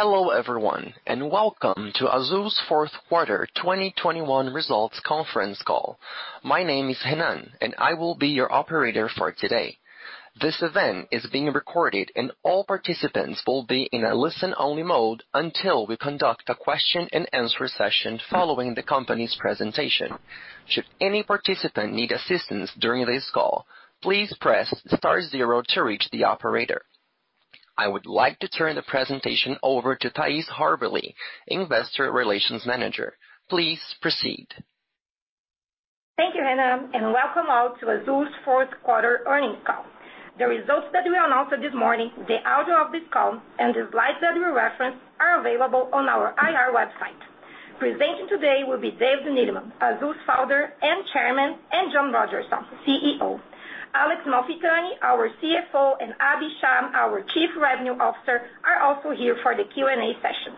Hello everyone, and welcome to Azul's Fourth Quarter 2021 Results Conference Call. My name is Hannon, and I will be your operator for today. This event is being recorded, and all participants will be in a listen-only mode until we conduct a question-and-answer session following the company's presentation. Should any participant need assistance during this call, please press star zero to reach the operator. I would like to turn the presentation over to Thais Haberli, Investor Relations Manager. Please proceed. Thank you Hannon and welcome all to Azul's fourth quarter earnings call. The results that we announced this morning, the order of this call, and the slides that we reference are available on our IR website. Presenting today will be David Neeleman, Azul's founder and Chairman, and John Rodgerson, CEO. Alex Malfitani, our CFO, and Abhi Shah, our Chief Revenue Officer, are also here for the Q&A session.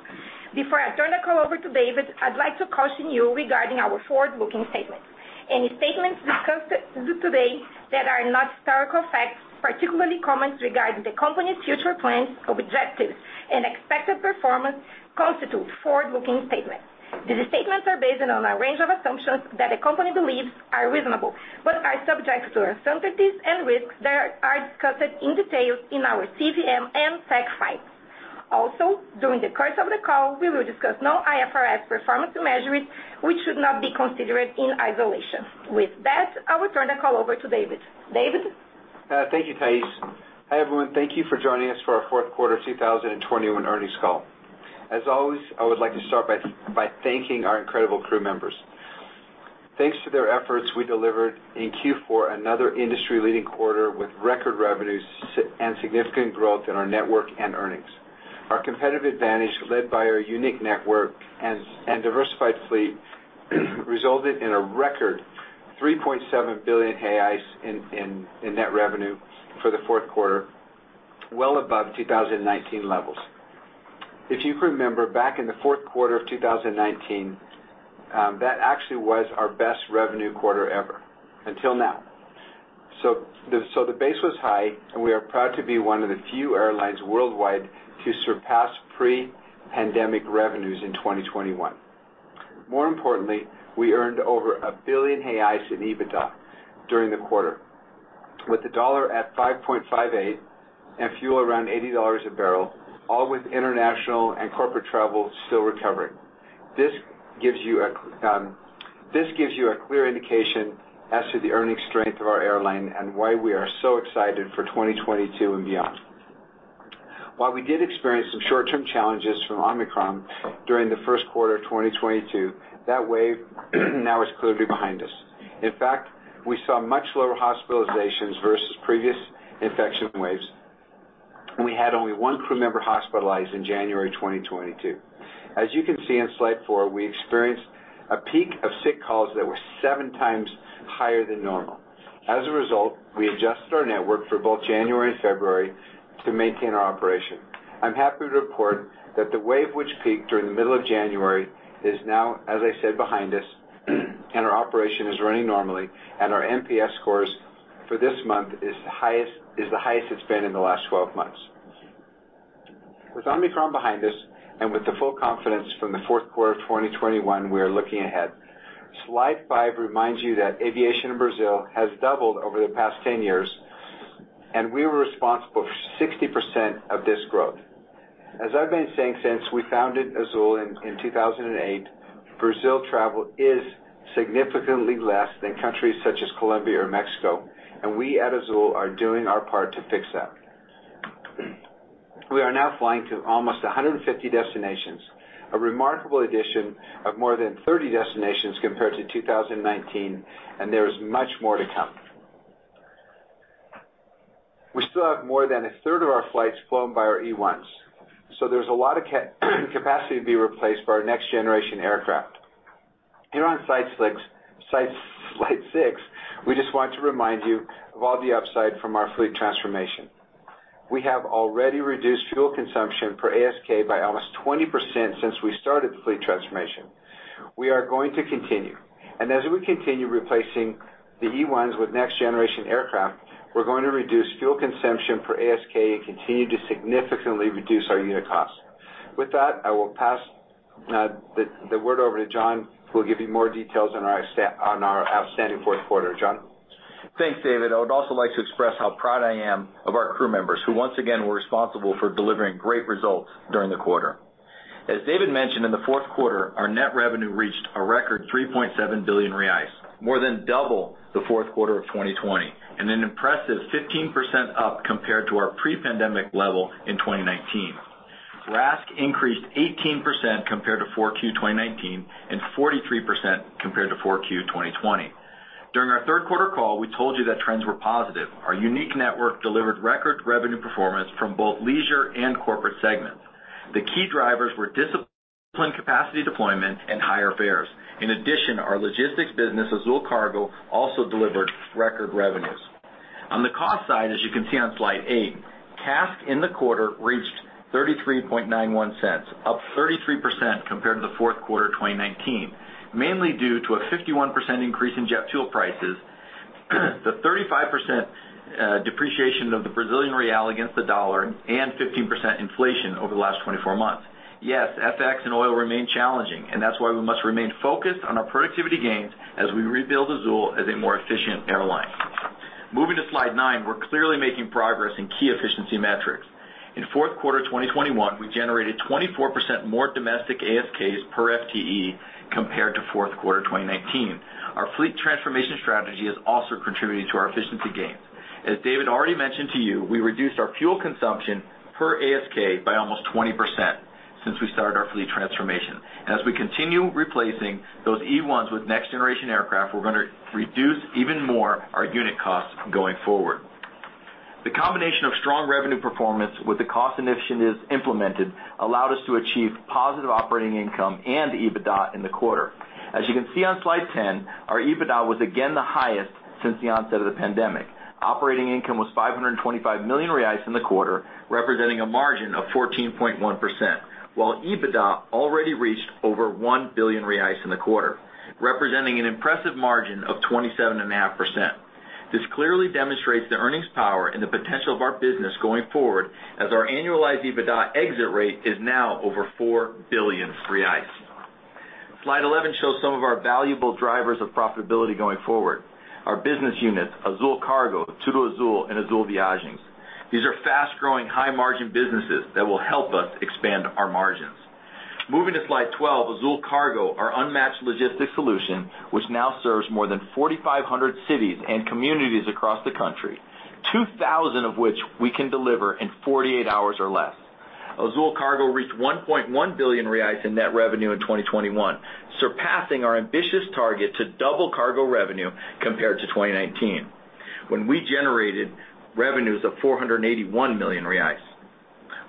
Before I turn the call over to David, I'd like to caution you regarding our forward-looking statements. Any statements discussed today that are not historical facts, particularly comments regarding the company's future plans, objectives, and expected performance constitute forward-looking statements. These statements are based on a range of assumptions that the company believes are reasonable, but are subject to uncertainties and risks that are discussed in detail in our CVM and SEC files. Also, during the course of the call, we will discuss non-IFRS performance measurements, which should not be considered in isolation. With that, I will turn the call over to David. David? Thank you, Thais. Hi everyone. Thank you for joining us for our fourth quarter 2021 earnings call. As always, I would like to start by thanking our incredible crew members. Thanks to their efforts, we delivered in Q4 another industry-leading quarter with record revenues and significant growth in our network and earnings. Our competitive advantage, led by our unique network and diversified fleet, resulted in a record 3.7 billion in net revenue for the fourth quarter, well above 2019 levels. If you can remember back in the fourth quarter of 2019, actually that was our best revenue quarter ever until now. The base was high, and we are proud to be one of the few airlines worldwide to surpass pre-pandemic revenues in 2021. More importantly, we earned over 1 billion reais in EBITDA during the quarter with the dollar at 5.58 and fuel around $80 a barrel, all with international and corporate travel still recovering. This gives you a clear indication as to the earning strength of our airline and why we are so excited for 2022 and beyond. While we did experience some short-term challenges from Omicron during the first quarter of 2022, that wave now is clearly behind us. In fact, we saw much lower hospitalizations versus previous infection waves, and we had only one crew member hospitalized in January 2022. As you can see on slide four, we experienced a peak of sick calls that were seven times higher than normal. As a result, we adjusted our network for both January and February to maintain our operation. I'm happy to report that the wave which peaked during the middle of January is now, as I said, behind us, and our operation is running normally, and our NPS scores for this month is the highest it's been in the last 12 months. With Omicron behind us and with the full confidence from the fourth quarter of 2021, we are looking ahead. Slide five reminds you that aviation in Brazil has doubled over the past 10 years, and we were responsible for 60% of this growth. As I've been saying since we founded Azul in 2008, Brazil travel is significantly less than countries such as Colombia or Mexico, and we at Azul are doing our part to fix that. We are now flying to almost 150 destinations, a remarkable addition of more than 30 destinations compared to 2019, and there is much more to come. We still have more than a third of our flights flown by our E-ones, so there's a lot of capacity to be replaced by our next-generation aircraft. Here on slide six, we just want to remind you of all the upside from our fleet transformation. We have already reduced fuel consumption per ASK by almost 20% since we started the fleet transformation. We are going to continue, and as we continue replacing the E-ones with next-generation aircraft, we're going to reduce fuel consumption per ASK and continue to significantly reduce our unit cost. With that, I will pass the word over to John, who will give you more details on our outstanding fourth quarter. John? Thanks, David. I would also like to express how proud I am of our crew members, who once again were responsible for delivering great results during the quarter. As David mentioned, in the fourth quarter, our net revenue reached a record 3.7 billion reais, more than double the fourth quarter of 2020, and an impressive 15% up compared to our pre-pandemic level in 2019. RASK increased 18% compared to 4Q 2019, and 43% compared to 4Q 2020. During our third quarter call, we told you that trends were positive. Our unique network delivered record revenue performance from both leisure and corporate segments. The key drivers were discipline, capacity deployment, and higher fares. In addition, our logistics business, Azul Cargo, also delivered record revenues. On the cost side, as you can see on slide eight, CASK in the quarter reached 33.91 cents, up 33% compared to the fourth quarter 2019, mainly due to a 51% increase in jet fuel prices. The 35% depreciation of the Brazilian real against the dollar and 15% inflation over the last 24 months. Yes, FX and oil remain challenging, and that's why we must remain focused on our productivity gains as we rebuild Azul as a more efficient airline. Moving to slide nine, we're clearly making progress in key efficiency metrics. In fourth quarter, 2021, we generated 24% more domestic ASKs per FTE compared to fourth quarter, 2019. Our fleet transformation strategy is also contributing to our efficiency gains. As David already mentioned to you, we reduced our fuel consumption per ASK by almost 20% since we started our fleet transformation. As we continue replacing those E-ones with next generation aircraft, we're gonna reduce even more our unit costs going forward. The combination of strong revenue performance with the cost initiatives implemented allowed us to achieve positive operating income and EBITDA in the quarter. As you can see on slide 10, our EBITDA was again the highest since the onset of the pandemic. Operating income was 525 million reais in the quarter, representing a margin of 14.1%, while EBITDA already reached over 1 billion reais in the quarter, representing an impressive margin of 27.5%. This clearly demonstrates the earnings power and the potential of our business going forward as our annualized EBITDA exit rate is now over 4 billion. Slide 11 shows some of our valuable drivers of profitability going forward. Our business units, Azul Cargo, TudoAzul, and Azul Viagens. These are fast-growing, high-margin businesses that will help us expand our margins. Moving to slide 12, Azul Cargo, our unmatched logistics solution, which now serves more than 4,500 cities and communities across the country, 2,000 of which we can deliver in 48 hours or less. Azul Cargo reached 1.1 billion reais in net revenue in 2021, surpassing our ambitious target to double cargo revenue compared to 2019, when we generated revenues of 481 million reais.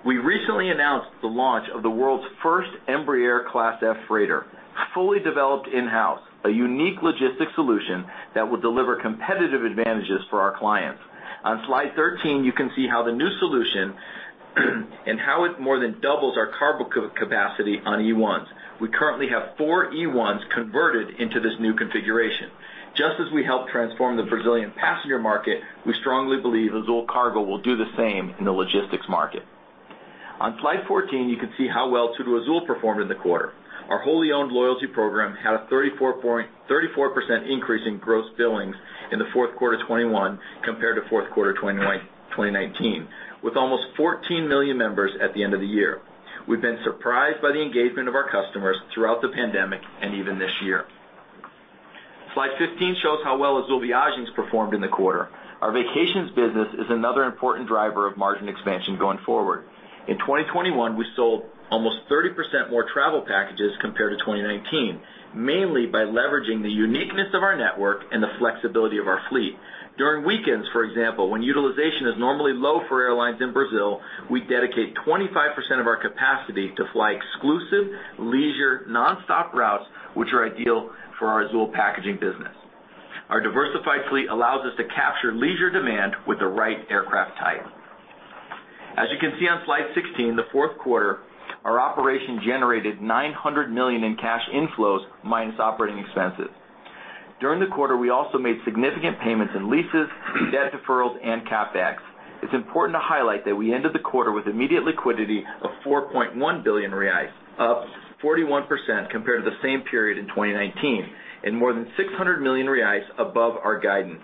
We recently announced the launch of the world's first Embraer Class F freighter, fully developed in-house, a unique logistics solution that will deliver competitive advantages for our clients. On slide 13, you can see how the new solution, and how it more than doubles our cargo capacity on E-ones. We currently have four E-ones converted into this new configuration. Just as we help transform the Brazilian passenger market, we strongly believe Azul Cargo will do the same in the logistics market. On slide 14, you can see how well TudoAzul performed in the quarter. Our wholly owned loyalty program had a 34% increase in gross billings in the fourth quarter 2021 compared to fourth quarter 2019, with almost 14 million members at the end of the year. We've been surprised by the engagement of our customers throughout the pandemic and even this year. Slide 15 shows how well Azul Viagens performed in the quarter. Our vacations business is another important driver of margin expansion going forward. In 2021, we sold almost 30% more travel packages compared to 2019, mainly by leveraging the uniqueness of our network and the flexibility of our fleet. During weekends, for example, when utilization is normally low for airlines in Brazil, we dedicate 25% of our capacity to fly exclusive leisure nonstop routes, which are ideal for our Azul packaging business. Our diversified fleet allows us to capture leisure demand with the right aircraft type. As you can see on slide 16, the fourth quarter, our operation generated 900 million in cash inflows minus operating expenses. During the quarter, we also made significant payments in leases, debt deferrals, and CapEx. It's important to highlight that we ended the quarter with immediate liquidity of 4.1 billion reais, up 41% compared to the same period in 2019, and more than 600 million reais above our guidance,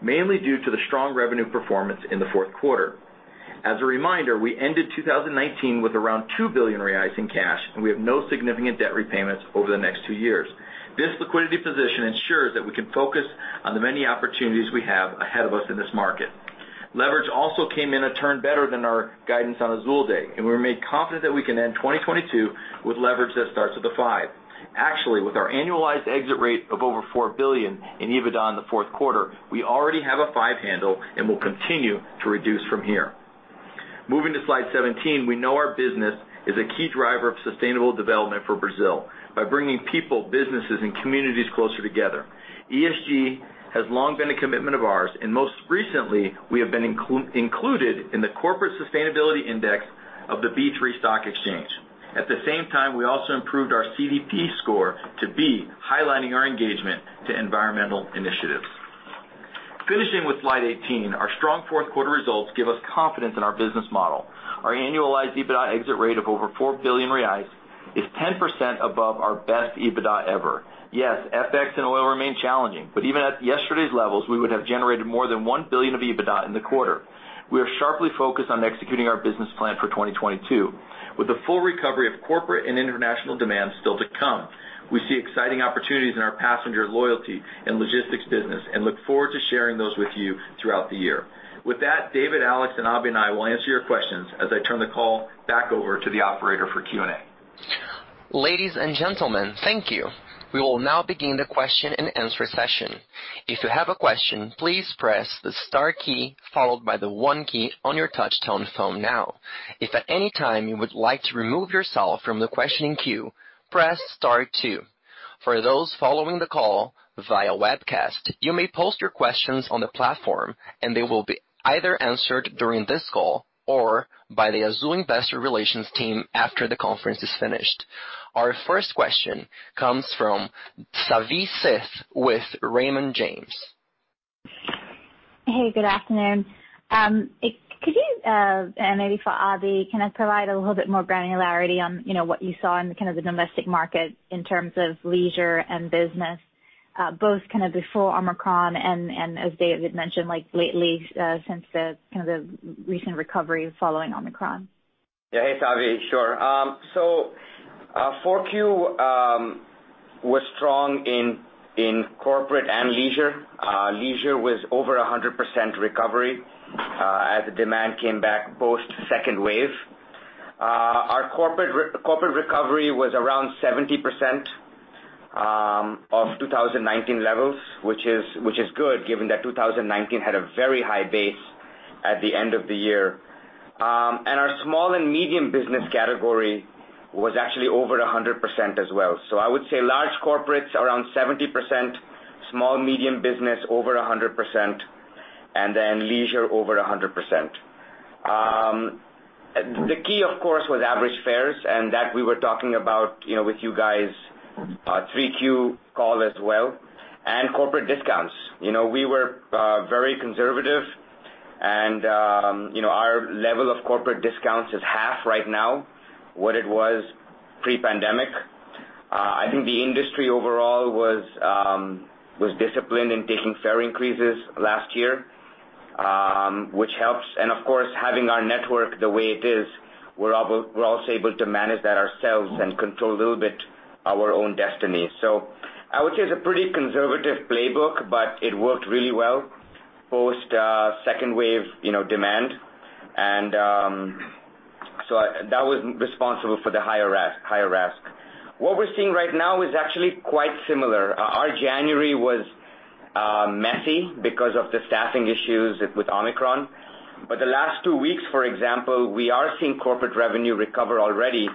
mainly due to the strong revenue performance in the fourth quarter. As a reminder, we ended 2019 with around 2 billion reais in cash, and we have no significant debt repayments over the next two years. This liquidity position ensures that we can focus on the many opportunities we have ahead of us in this market. Leverage also came in a turn better than our guidance on Azul Day, and we're more confident that we can end 2022 with leverage that starts with a five. Actually, with our annualized exit rate of over 4 billion in EBITDA in the fourth quarter, we already have a five handle and will continue to reduce from here. Moving to slide 17, we know our business is a key driver of sustainable development for Brazil by bringing people, businesses, and communities closer together. ESG has long been a commitment of ours, and most recently, we have been included in the Corporate Sustainability Index of the B3 Stock Exchange. At the same time, we also improved our CDP score to B, highlighting our engagement to environmental initiatives. Finishing with slide 18, our strong fourth quarter results give us confidence in our business model. Our annualized EBITDA exit rate of over 4 billion reais is 10% above our best EBITDA ever. Yes, FX and oil remain challenging, but even at yesterday's levels, we would have generated more than 1 billion of EBITDA in the quarter. We are sharply focused on executing our business plan for 2022. With the full recovery of corporate and international demand still to come, we see exciting opportunities in our passenger loyalty and logistics business and look forward to sharing those with you throughout the year. With that, David, Alex, and Abhi and I will answer your questions as I turn the call back over to the operator for Q&A. Ladies and gentlemen, thank you. We will now begin the question and answer session. If you have a question, please press the star key followed by the one key on your touch tone phone now. If at any time you would like to remove yourself from the questioning queue, press star two. For those following the call via webcast, you may post your questions on the platform, and they will be either answered during this call or by the Azul investor relations team after the conference is finished. Our first question comes from Savi Syth with Raymond James. Hey, good afternoon. Could you and maybe for Abhi Shah provide a little bit more granularity on, you know, what you saw in the kind of the domestic market in terms of leisure and business, both kind of before Omicron and as David mentioned, like lately, since the kind of the recent recovery following Omicron? Yeah. Hey, it's Abhi. Sure. 4Q was strong in corporate and leisure. Leisure was over 100% recovery, as the demand came back post-second wave. Our corporate recovery was around 70% of 2019 levels, which is good given that 2019 had a very high base at the end of the year. Our small and medium business category was actually over 100% as well. I would say large corporates around 70%, small/medium business over 100%, and then leisure over 100%. The key of course was average fares, and that we were talking about, you know, with you guys, 3Q call as well, and corporate discounts. You know, we were very conservative and, you know, our level of corporate discounts is half right now what it was pre-pandemic. I think the industry overall was disciplined in taking fare increases last year, which helps. Of course, having our network the way it is, we're also able to manage that ourselves and control a little bit our own destiny. I would say it's a pretty conservative playbook, but it worked really well post second wave, you know, demand. That was responsible for the higher RASK. What we're seeing right now is actually quite similar. Our January was messy because of the staffing issues with Omicron. But the last two weeks, for example, we are seeing corporate revenue recover already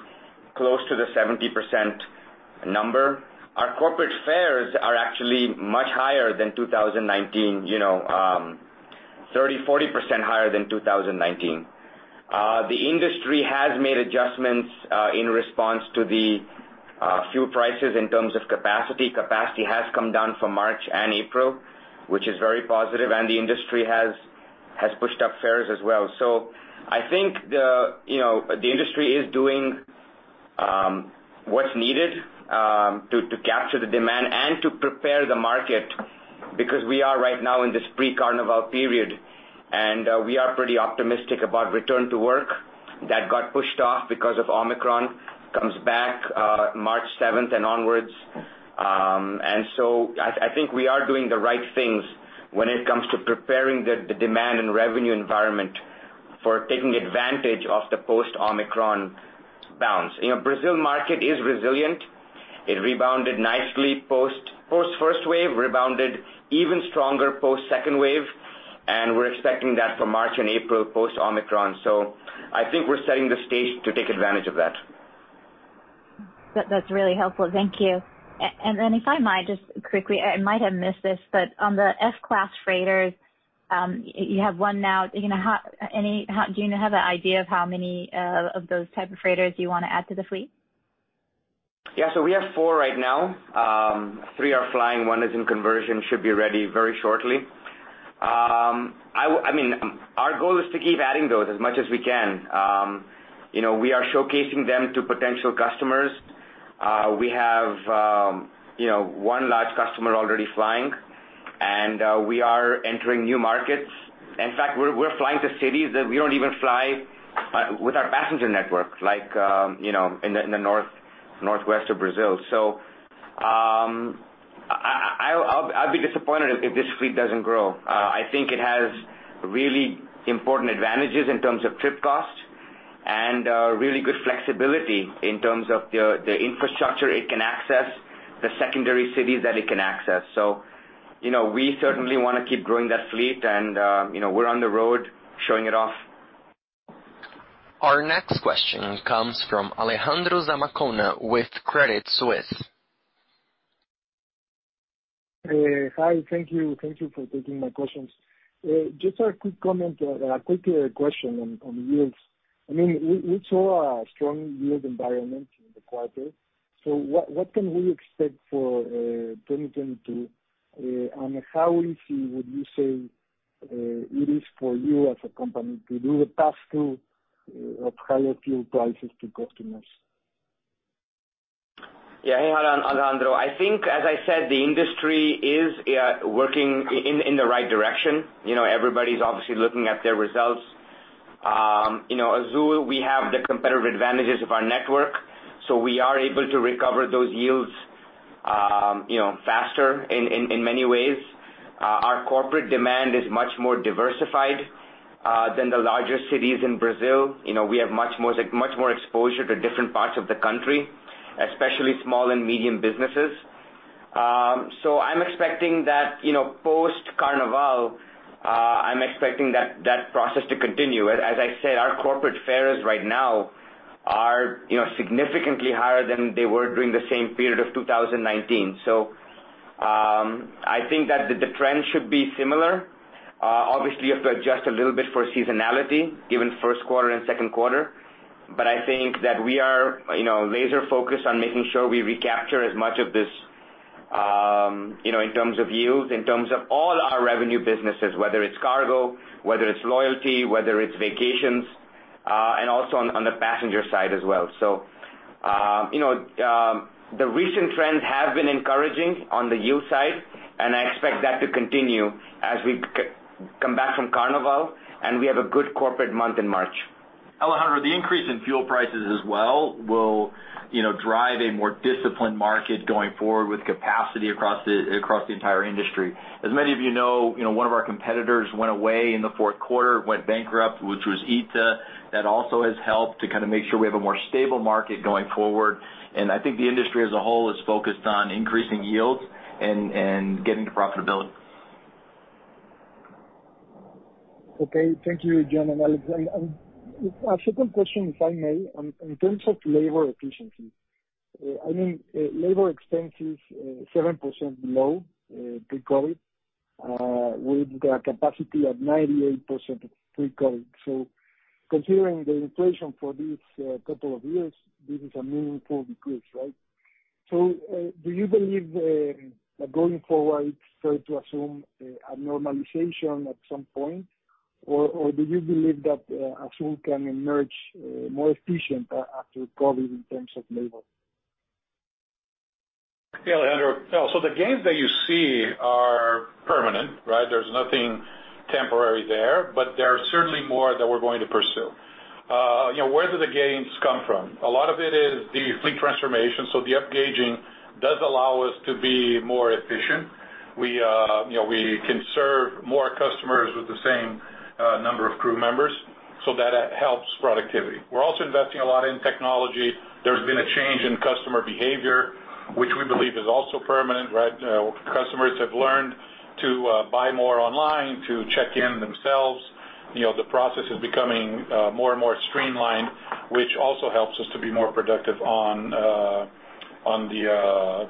close to the 70% number. Our corporate fares are actually much higher than 2019, you know, 30%-40% higher than 2019. The industry has made adjustments in response to the fuel prices in terms of capacity. Capacity has come down for March and April, which is very positive, and the industry has pushed up fares as well. I think you know, the industry is doing what's needed to capture the demand and to prepare the market because we are right now in this pre-Carnival period, and we are pretty optimistic about return to work that got pushed off because of Omicron, comes back March seventh and onwards. I think we are doing the right things when it comes to preparing the demand and revenue environment for taking advantage of the post-Omicron bounce. You know, Brazil market is resilient. It rebounded nicely post first wave, rebounded even stronger post-second wave, and we're expecting that for March and April post-Omicron. I think we're setting the stage to take advantage of that. That's really helpful. Thank you. If I might just quickly, I might have missed this, but on the Class F freighters, you have one now. You know, do you have an idea of how many of those type of freighters you wanna add to the fleet? Yeah. We have four right now. Three are flying, one is in conversion, should be ready very shortly. I mean, our goal is to keep adding those as much as we can. You know, we are showcasing them to potential customers. We have, you know, one large customer already flying, and we are entering new markets. In fact, we're flying to cities that we don't even fly with our passenger network, like, you know, in the north, northwest of Brazil. I'll be disappointed if this fleet doesn't grow. I think it has really important advantages in terms of trip costs and really good flexibility in terms of the infrastructure it can access, the secondary cities that it can access. You know, we certainly wanna keep growing that fleet and, you know, we're on the road showing it off. Our next question comes from Alejandro Zamacona with Credit Suisse. Hi. Thank you for taking my questions. Just a quick question on yields. I mean, we saw a strong yield environment in the quarter. What can we expect for 2022? And how easy would you say it is for you as a company to do the pass-through of higher fuel prices to customers? Yeah. Hey, Alejandro. I think, as I said, the industry is working in the right direction. You know, everybody's obviously looking at their results. You know, Azul, we have the competitive advantages of our network, so we are able to recover those yields faster in many ways. Our corporate demand is much more diversified than the larger cities in Brazil. You know, we have much more exposure to different parts of the country, especially small and medium businesses. I'm expecting that post-Carnival that process to continue. As I said, our corporate fares right now are significantly higher than they were during the same period of 2019. I think that the trend should be similar. Obviously, you have to adjust a little bit for seasonality given first quarter and second quarter. I think that we are, you know, laser-focused on making sure we recapture as much of this, you know, in terms of yields, in terms of all our revenue businesses, whether it's cargo, whether it's loyalty, whether it's vacations, and also on the passenger side as well. The recent trends have been encouraging on the yield side, and I expect that to continue as we come back from Carnival, and we have a good corporate month in March. Alejandro, the increase in fuel prices as well will, you know, drive a more disciplined market going forward with capacity across the entire industry. As many of you know, one of our competitors went away in the fourth quarter, went bankrupt, which was ITA. That also has helped to kind of make sure we have a more stable market going forward. I think the industry as a whole is focused on increasing yields and getting to profitability. Okay. Thank you, John and Abhi. A second question, if I may. In terms of labor efficiency, I mean, labor expense is 7% below pre-COVID, with a capacity of 98% of pre-COVID. Considering the inflation for these couple of years, this is a meaningful decrease, right? Do you believe that going forward, fair to assume a normalization at some point? Or do you believe that Azul can emerge more efficient after COVID in terms of labor? Yeah, Alejandro. No, the gains that you see are permanent, right? There's nothing temporary there, but there are certainly more that we're going to pursue. You know, where do the gains come from? A lot of it is the fleet transformation. The upgauging does allow us to be more efficient. We, you know, we can serve more customers with the same number of crew members, so that helps productivity. We're also investing a lot in technology. There's been a change in customer behavior, which we believe is also permanent, right? Customers have learned to buy more online, to check in themselves. You know, the process is becoming more and more streamlined, which also helps us to be more productive on the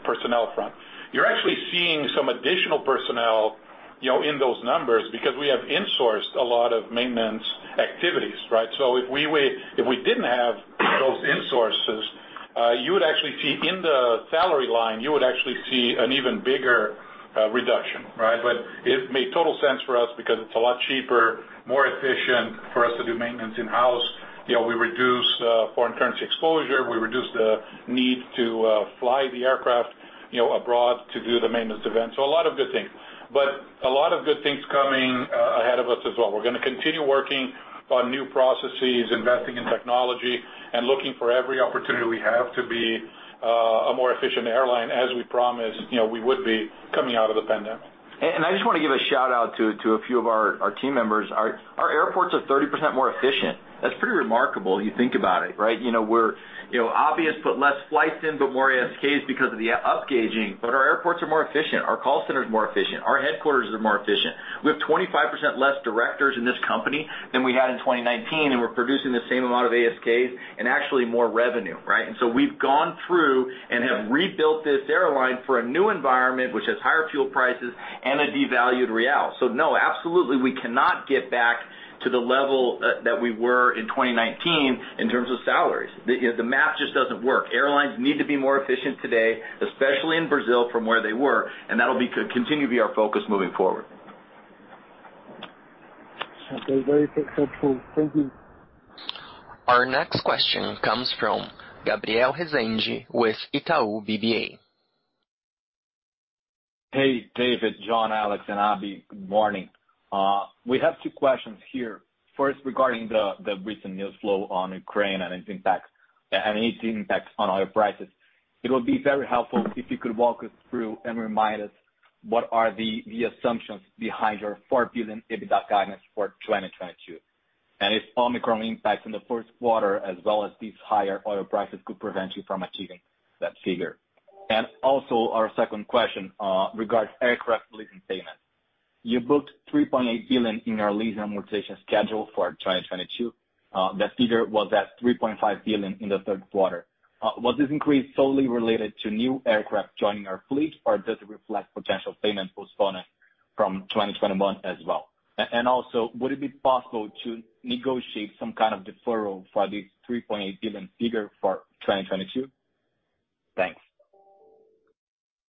personnel front. You're actually seeing some additional personnel, you know, in those numbers because we have insourced a lot of maintenance activities, right? If we didn't have those insources, you would actually see, in the salary line, an even bigger reduction, right? It made total sense for us because it's a lot cheaper, more efficient for us to do maintenance in-house. You know, we reduce foreign currency exposure. We reduce the need to fly the aircraft, you know, abroad to do the maintenance events. A lot of good things. A lot of good things coming ahead of us as well. We're gonna continue working on new processes, investing in technology, and looking for every opportunity we have to be a more efficient airline, as we promised, you know, we would be coming out of the pandemic. I just wanna give a shout-out to a few of our team members. Our airports are 30% more efficient. That's pretty remarkable, if you think about it, right? You know, we're, you know, obviously put less flights in, but more ASKs because of the upgauging, but our airports are more efficient. Our call center is more efficient. Our headquarters are more efficient. We have 25% less directors in this company than we had in 2019, and we're producing the same amount of ASKs and actually more revenue, right? We've gone through and have rebuilt this airline for a new environment, which has higher fuel prices and a devalued real. No, absolutely, we cannot get back to the level that we were in 2019 in terms of salaries. You know, the math just doesn't work. Airlines need to be more efficient today, especially in Brazil, from where they were, and that'll be continue to be our focus moving forward. Okay, very successful. Thank you. Our next question comes from Gabriel Rezende with Itaú BBA. Hey, David, John, Alex, and Abhi. Good morning. We have two questions here. First, regarding the recent news flow on Ukraine and its impact on oil prices. It would be very helpful if you could walk us through and remind us what are the assumptions behind your 4 billion EBITDA guidance for 2022. If Omicron impacts in the first quarter as well as these higher oil prices could prevent you from achieving that figure. Our second question regards aircraft leasing payments. You booked 3.8 billion in your lease and amortization schedule for 2022. That figure was at 3.5 billion in the third quarter. Was this increase solely related to new aircraft joining your fleet, or does it reflect potential payment postponement from 2021 as well? Would it be possible to negotiate some kind of deferral for the 3.8 billion figure for 2022? Thanks.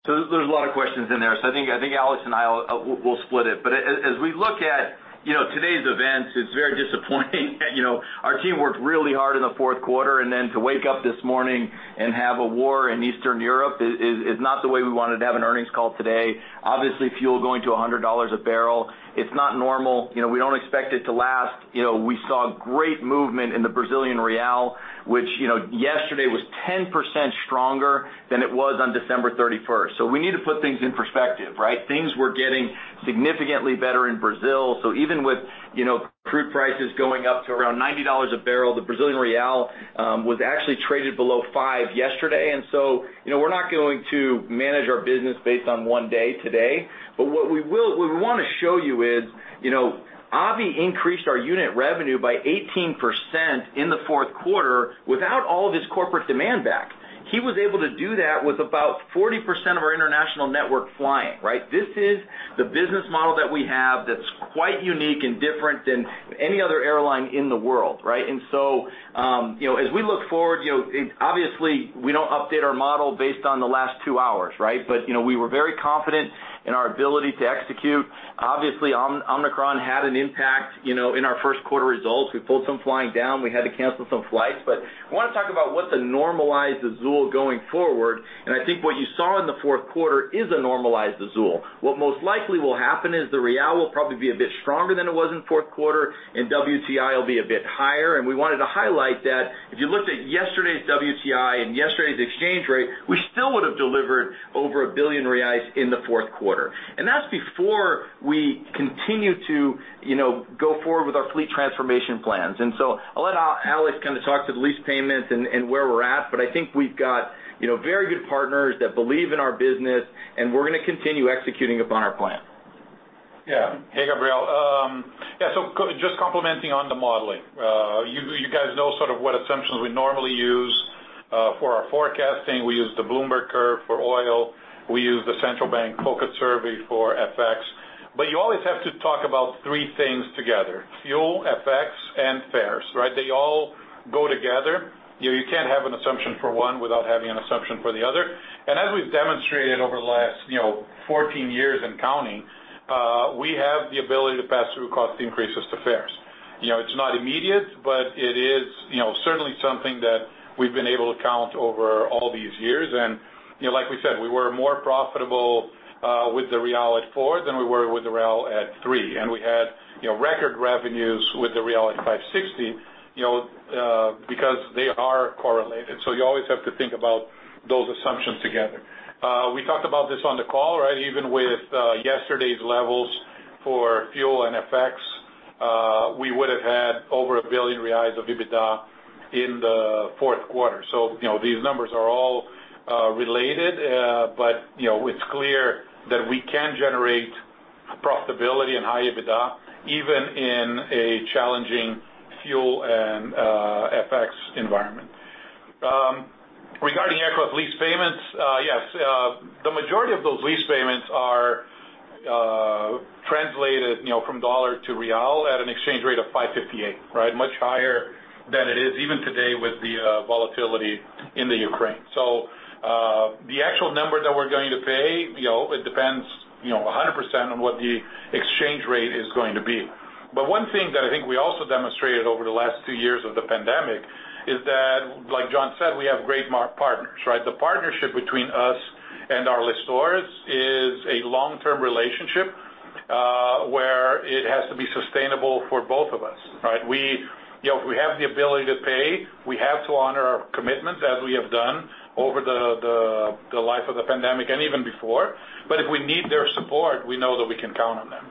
There's a lot of questions in there, I think Alex and I'll we'll split it. As we look at, you know, today's events, it's very disappointing that, you know, our team worked really hard in the fourth quarter, and then to wake up this morning and have a war in Eastern Europe is not the way we wanted to have an earnings call today. Obviously, fuel going to $100 a barrel, it's not normal. You know, we don't expect it to last. You know, we saw great movement in the Brazilian real, which, you know, yesterday was 10% stronger than it was on December 31st. We need to put things in perspective, right? Things were getting significantly better in Brazil. Even with, you know, crude prices going up to around $90 a barrel, the Brazilian real was actually traded below five yesterday. You know, we're not going to manage our business based on one day today. What we wanna show you is, you know, Abhi increased our unit revenue by 18% in the fourth quarter without all of his corporate demand back. He was able to do that with about 40% of our international network flying, right? This is the business model that we have that's quite unique and different than any other airline in the world, right? You know, as we look forward, you know, obviously, we don't update our model based on the last two hours, right? You know, we were very confident in our ability to execute. Obviously, Omicron had an impact, you know, in our first quarter results. We pulled some flying down. We had to cancel some flights. I wanna talk about what the normalized Azul going forward, and I think what you saw in the fourth quarter is a normalized Azul. What most likely will happen is the real will probably be a bit stronger than it was in fourth quarter, and WTI will be a bit higher. We wanted to highlight that if you looked at yesterday's WTI and yesterday's exchange rate, we still would have delivered over 1 billion reais in the fourth quarter. That's before we continue to, you know, go forward with our fleet transformation plans. I'll let Alex kind of talk to the lease payments and where we're at, but I think we've got, you know, very good partners that believe in our business, and we're gonna continue executing upon our plan. Yeah. Hey, Gabriel. Just complimenting on the modeling. You guys know sort of what assumptions we normally use for our forecasting. We use the Bloomberg curve for oil. We use the Central Bank Focus survey for FX. You always have to talk about three things together: fuel, FX, and fares, right? They all go together. You know, you can't have an assumption for one without having an assumption for the other. As we've demonstrated over the last, you know, 14 years and counting, we have the ability to pass through cost increases to fares. You know, it's not immediate, but it is, you know, certainly something that we've been able to count over all these years. You know, like we said, we were more profitable with the real at four than we were with the real at three. We had, you know, record revenues with the real at 5.60, you know, because they are correlated. You always have to think about those assumptions together. We talked about this on the call, right? Even with yesterday's levels for fuel and FX, we would've had over 1 billion reais of EBITDA in the fourth quarter. You know, these numbers are all related. You know, it's clear that we can generate profitability and high EBITDA even in a challenging fuel and FX environment. Regarding aircraft lease payments, yes, the majority of those lease payments are translated, you know, from dollar to real at an exchange rate of 5.58, right? Much higher than it is even today with the volatility in the Ukraine. The actual number that we're going to pay, you know, it depends, you know, 100% on what the exchange rate is going to be. But one thing that I think we also demonstrated over the last two years of the pandemic is that, like John said, we have great partners, right? The partnership between us and our lessors is a long-term relationship, where it has to be sustainable for both of us, right? We, you know, we have the ability to pay. We have to honor our commitments as we have done over the life of the pandemic and even before. But if we need their support, we know that we can count on them.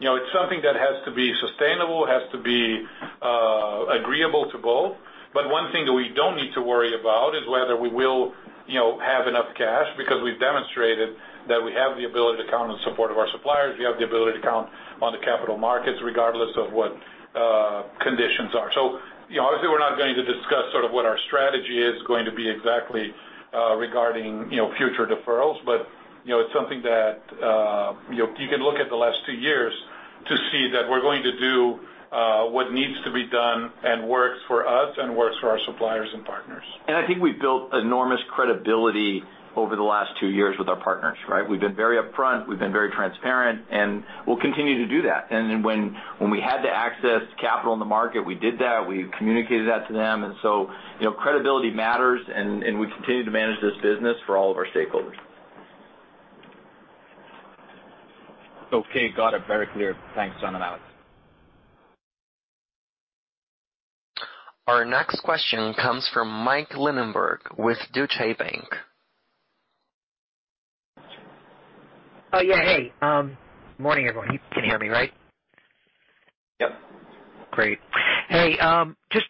You know, it's something that has to be sustainable, agreeable to both. One thing that we don't need to worry about is whether we will, you know, have enough cash because we've demonstrated that we have the ability to count on support of our suppliers. We have the ability to count on the capital markets regardless of what conditions are. You know, obviously, we're not going to discuss sort of what our strategy is going to be exactly regarding, you know, future deferrals. You know, it's something that, you know, you can look at the last two years to see that we're going to do what needs to be done and works for us and works for our suppliers and partners. I think we've built enormous credibility over the last two years with our partners, right? We've been very upfront. We've been very transparent, and we'll continue to do that. When we had to access capital in the market, we did that. We communicated that to them. You know, credibility matters, and we continue to manage this business for all of our stakeholders. Okay. Got it. Very clear. Thanks, John and Alex. Our next question comes from Mike Linenberg with Deutsche Bank. Oh, yeah. Hey. Morning everyone. You can hear me, right? Yep. Great. Hey, just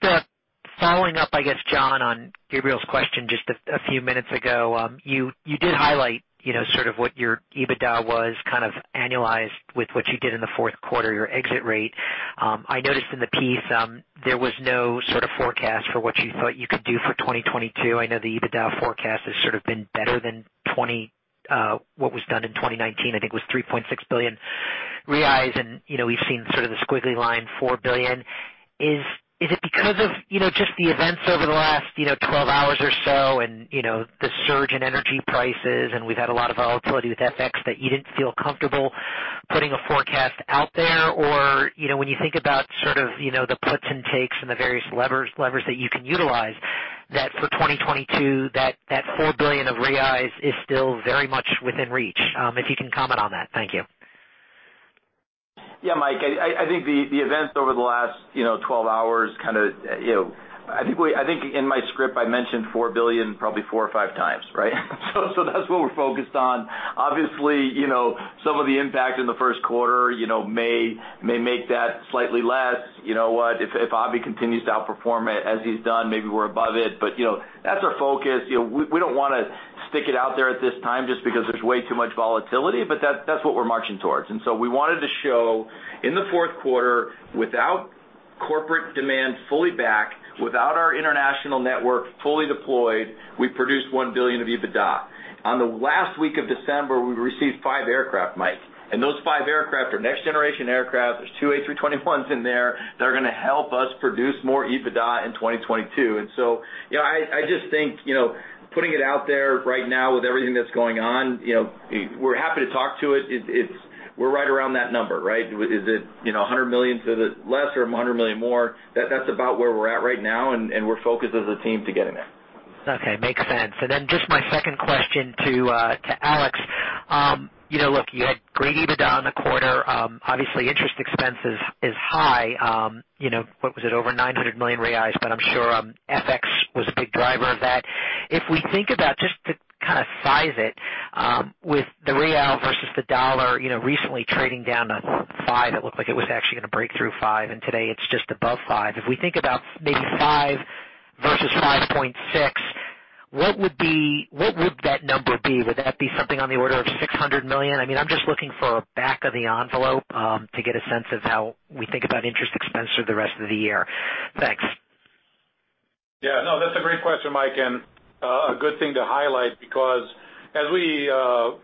following up, I guess, John, on Gabriel's question just a few minutes ago. You did highlight, you know, sort of what your EBITDA was kind of annualized with what you did in the fourth quarter, your exit rate. I noticed in the piece, there was no sort of forecast for what you thought you could do for 2022. I know the EBITDA forecast has sort of been better than what was done in 2019. I think it was 3.6 billion reais. You know, we've seen sort of the squiggly line, 4 billion. Is it because of, you know, just the events over the last 12 hours or so and, you know, the surge in energy prices and we've had a lot of volatility with FX that you didn't feel comfortable putting a forecast out there? Or, you know, when you think about sort of, you know, the puts and takes and the various levers that you can utilize, that for 2022, that 4 billion is still very much within reach? If you can comment on that. Thank you. Yeah, Mike. I think the events over the last 12 hours kinda, you know, I think in my script, I mentioned 4 billion probably four or five times, right? So that's what we're focused on. Obviously, you know, some of the impact in the first quarter, you know, may make that slightly less. You know what? If Abhi continues to outperform as he's done, maybe we're above it. But, you know, that's our focus. You know, we don't wanna stick it out there at this time just because there's way too much volatility, but that's what we're marching towards. We wanted to show in the fourth quarter without corporate demand fully back, without our international network fully deployed, we produced 1 billion of EBITDA. On the last week of December, we received five aircraft, Mike, and those five aircraft are next generation aircraft. There's two A321s in there that are gonna help us produce more EBITDA in 2022. You know, I just think, you know, putting it out there right now with everything that's going on, you know, we're happy to talk to it. We're right around that number, right? Is it, you know, 100 million less or 100 million more? That's about where we're at right now, and we're focused as a team to getting there. Okay, makes sense. Then just my second question to Alex. You know, look, you had great EBITDA on the quarter. Obviously interest expenses is high. You know, what was it? Over 900 million reais, but I'm sure FX was a big driver of that. If we think about just to kinda size it with the real versus the dollar, you know, recently trading down to five, it looked like it was actually gonna break through five, and today it's just above five. If we think about maybe five versus 5.6, what would that number be? Would that be something on the order of 600 million? I mean, I'm just looking for a back of the envelope to get a sense of how we think about interest expense for the rest of the year. Thanks. Yeah, no, that's a great question, Mike, and a good thing to highlight because as we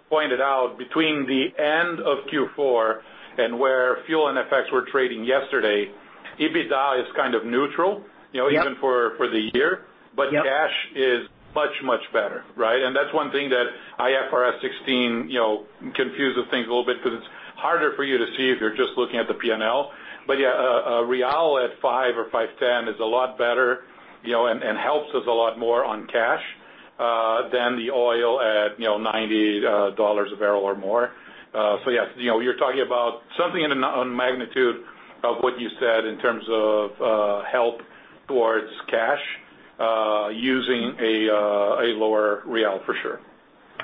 pointed out between the end of Q4 and where FX effects were trading yesterday, EBITDA is kind of neutral, you know. Yep. Even for the year. Yep. Cash is much, much better, right? That's one thing that IFRS 16, you know, confuses things a little bit because it's harder for you to see if you're just looking at the P&L. Yeah, real at five or 5.10 is a lot better, you know, and helps us a lot more on cash than the oil at, you know, $90 a barrel or more. So yes, you know, you're talking about something on magnitude of what you said in terms of help towards cash using a lower real for sure.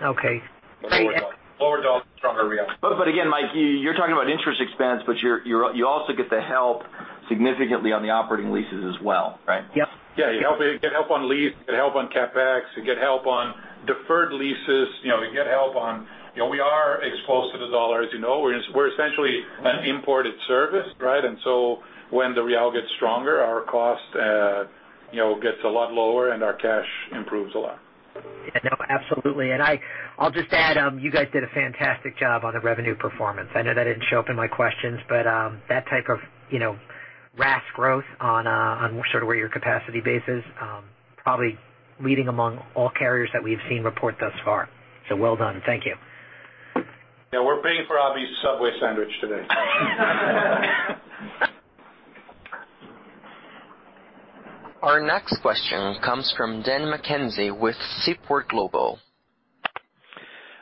Okay. Thank you. Lower dollar, stronger real. Again, Mike, you're talking about interest expense, but you also get the help significantly on the operating leases as well, right? Yep. You get help on lease, get help on CapEx, you get help on deferred leases. You know, we are exposed to the dollar, as you know. We're essentially an imported service, right? When the real gets stronger, our cost, you know, gets a lot lower and our cash improves a lot. Yeah, no, absolutely. I'll just add, you guys did a fantastic job on the revenue performance. I know that didn't show up in my questions, but that type of, you know, RASK growth on sort of where your capacity base is probably leading among all carriers that we've seen report thus far. Well done. Thank you. Yeah, we're paying for Abhi's Subway sandwich today. Our next question comes from Dan McKenzie with Seaport Global.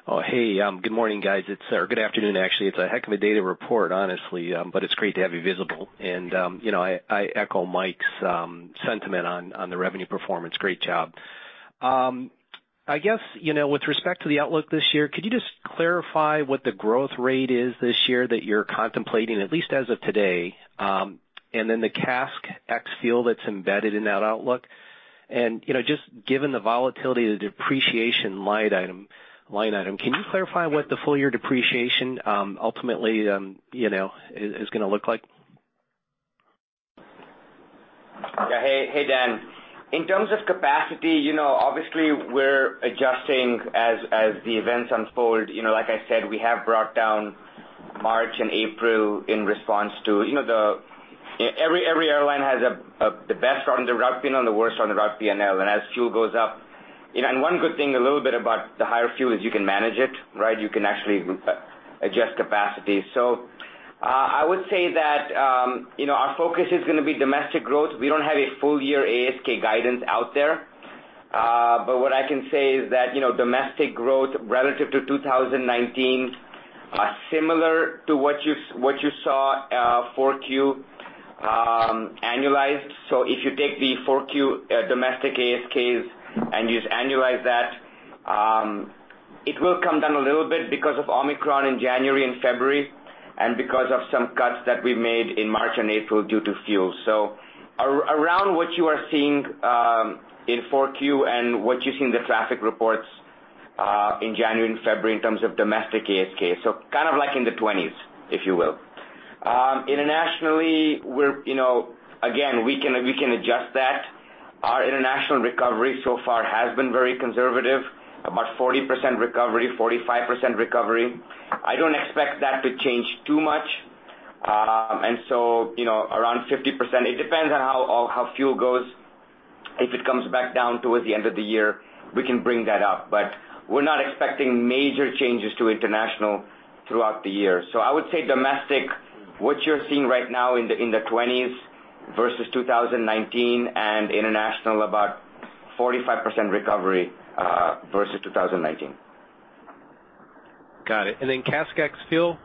Oh, hey, good morning guys. It's good afternoon, actually. It's a heck of a data report, honestly, but it's great to have you visible. You know, I echo Mike's sentiment on the revenue performance. Great job. I guess, you know, with respect to the outlook this year, could you just clarify what the growth rate is this year that you're contemplating, at least as of today? And then the CASK ex-fuel that's embedded in that outlook. You know, just given the volatility of the depreciation line item, can you clarify what the full year depreciation ultimately you know is gonna look like? Hey, Dan. In terms of capacity, obviously we're adjusting as the events unfold. Like I said, we have brought down March and April in response to every airline has the best on the route P&L and the worst on the route P&L. As fuel goes up, one good thing a little bit about the higher fuel is you can manage it, right? You can actually adjust capacity. I would say that our focus is gonna be domestic growth. We don't have a full year ASK guidance out there. What I can say is that domestic growth relative to 2019 are similar to what you saw 4Q annualized. If you take the 4Q domestic ASKs and you annualize that, it will come down a little bit because of Omicron in January and February and because of some cuts that we made in March and April due to fuel. Around what you are seeing in 4Q and what you see in the traffic reports in January and February in terms of domestic ASK. Kind of like in the 20s, if you will. Internationally, we're, you know, again, we can adjust that. Our international recovery so far has been very conservative, about 40% recovery, 45% recovery. I don't expect that to change too much. You know, around 50%, it depends on how fuel goes. If it comes back down towards the end of the year, we can bring that up. We're not expecting major changes to international throughout the year. I would say domestic, what you're seeing right now in the 20s versus 2019 and international about 45% recovery versus 2019. Got it. CASK ex-fuel?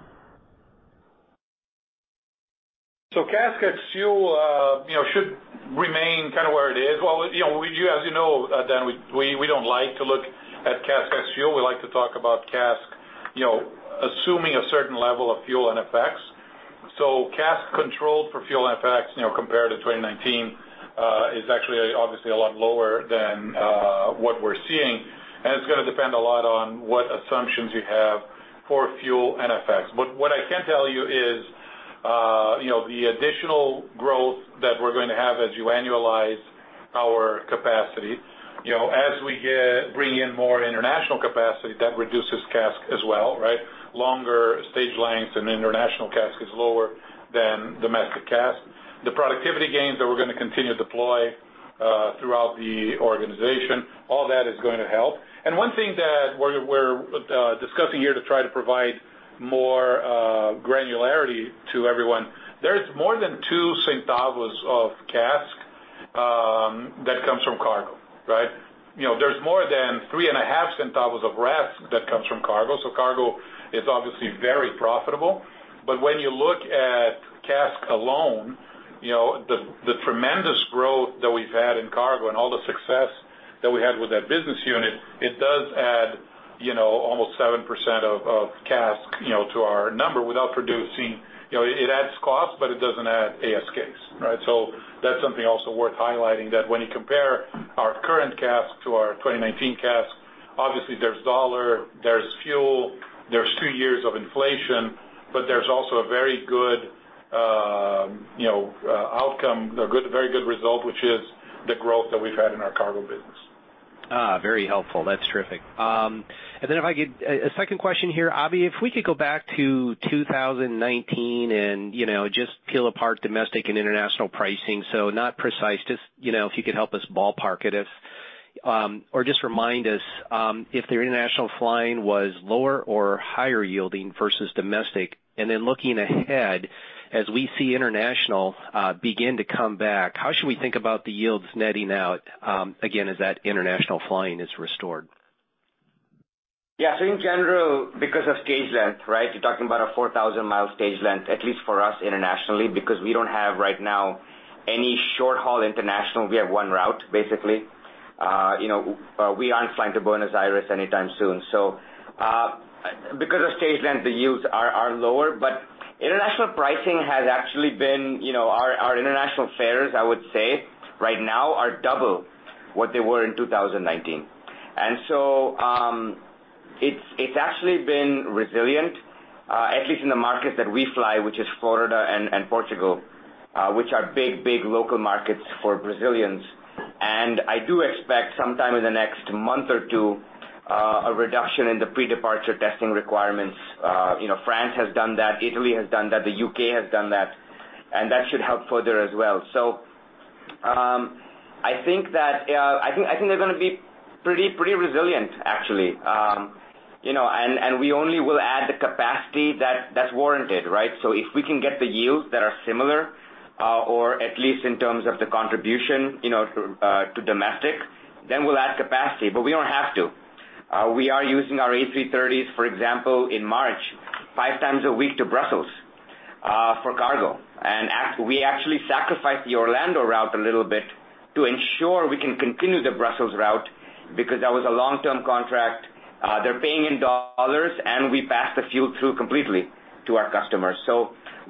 CASK ex-fuel, you know, should remain kind of where it is. You know, we do as you know, Dan, we don't like to look at CASK ex-fuel. We like to talk about CASK, you know, assuming a certain level of fuel and effects. CASK controlled for fuel and effects, you know, compared to 2019, is actually obviously a lot lower than what we're seeing, and it's gonna depend a lot on what assumptions you have for fuel and FX. What I can tell you is, you know, the additional growth that we're going to have as you annualize our capacity, you know, as we bring in more international capacity, that reduces CASK as well, right? Longer stage lengths and international CASK is lower than domestic CASK. The productivity gains that we're gonna continue to deploy throughout the organization, all that is going to help. One thing that we're discussing here to try to provide more granularity to everyone, there is more than 0.02 of CASK that comes from cargo, right? You know, there's more than 0.035 of RASK that comes from cargo. Cargo is obviously very profitable. When you look at CASK alone, you know, the tremendous growth that we've had in cargo and all the success that we had with that business unit, it does add, you know, almost 7% of CASK, you know, to our number without producing, you know, it adds cost, but it doesn't add ASKs, right? That's something also worth highlighting, that when you compare our current CASK to our 2019 CASK, obviously there's dollar, there's fuel, there's two years of inflation, but there's also a very good, you know, outcome, very good result, which is the growth that we've had in our cargo business. Very helpful. That's terrific. If I could, a second question here, Abhi. If we could go back to 2019 and, you know, just peel apart domestic and international pricing. Not precise, just, you know, if you could help us ballpark it if, or just remind us, if the international flying was lower or higher yielding versus domestic. Looking ahead, as we see international begin to come back, how should we think about the yields netting out, again, as that international flying is restored? Yeah. In general, because of stage length, right? You're talking about a 4,000-mile stage length, at least for us internationally, because we don't have right now any short-haul international. We have one route, basically. You know, we aren't flying to Buenos Aires anytime soon. Because of stage length, the yields are lower. But international pricing has actually been, you know, our international fares, I would say, right now are double what they were in 2019. And it's actually been resilient, at least in the markets that we fly, which is Florida and Portugal, which are big local markets for Brazilians. I do expect sometime in the next month or two, a reduction in the pre-departure testing requirements. You know, France has done that, Italy has done that, the U.K. has done that, and that should help further as well. I think they're gonna be pretty resilient, actually. You know, we only will add the capacity that's warranted, right? If we can get the yields that are similar, or at least in terms of the contribution, you know, to domestic, then we'll add capacity, but we don't have to. We are using our A330s, for example, in March, five times a week to Brussels, for cargo. We actually sacrificed the Orlando route a little bit to ensure we can continue the Brussels route because that was a long-term contract. They're paying in dollars, and we pass the fuel through completely to our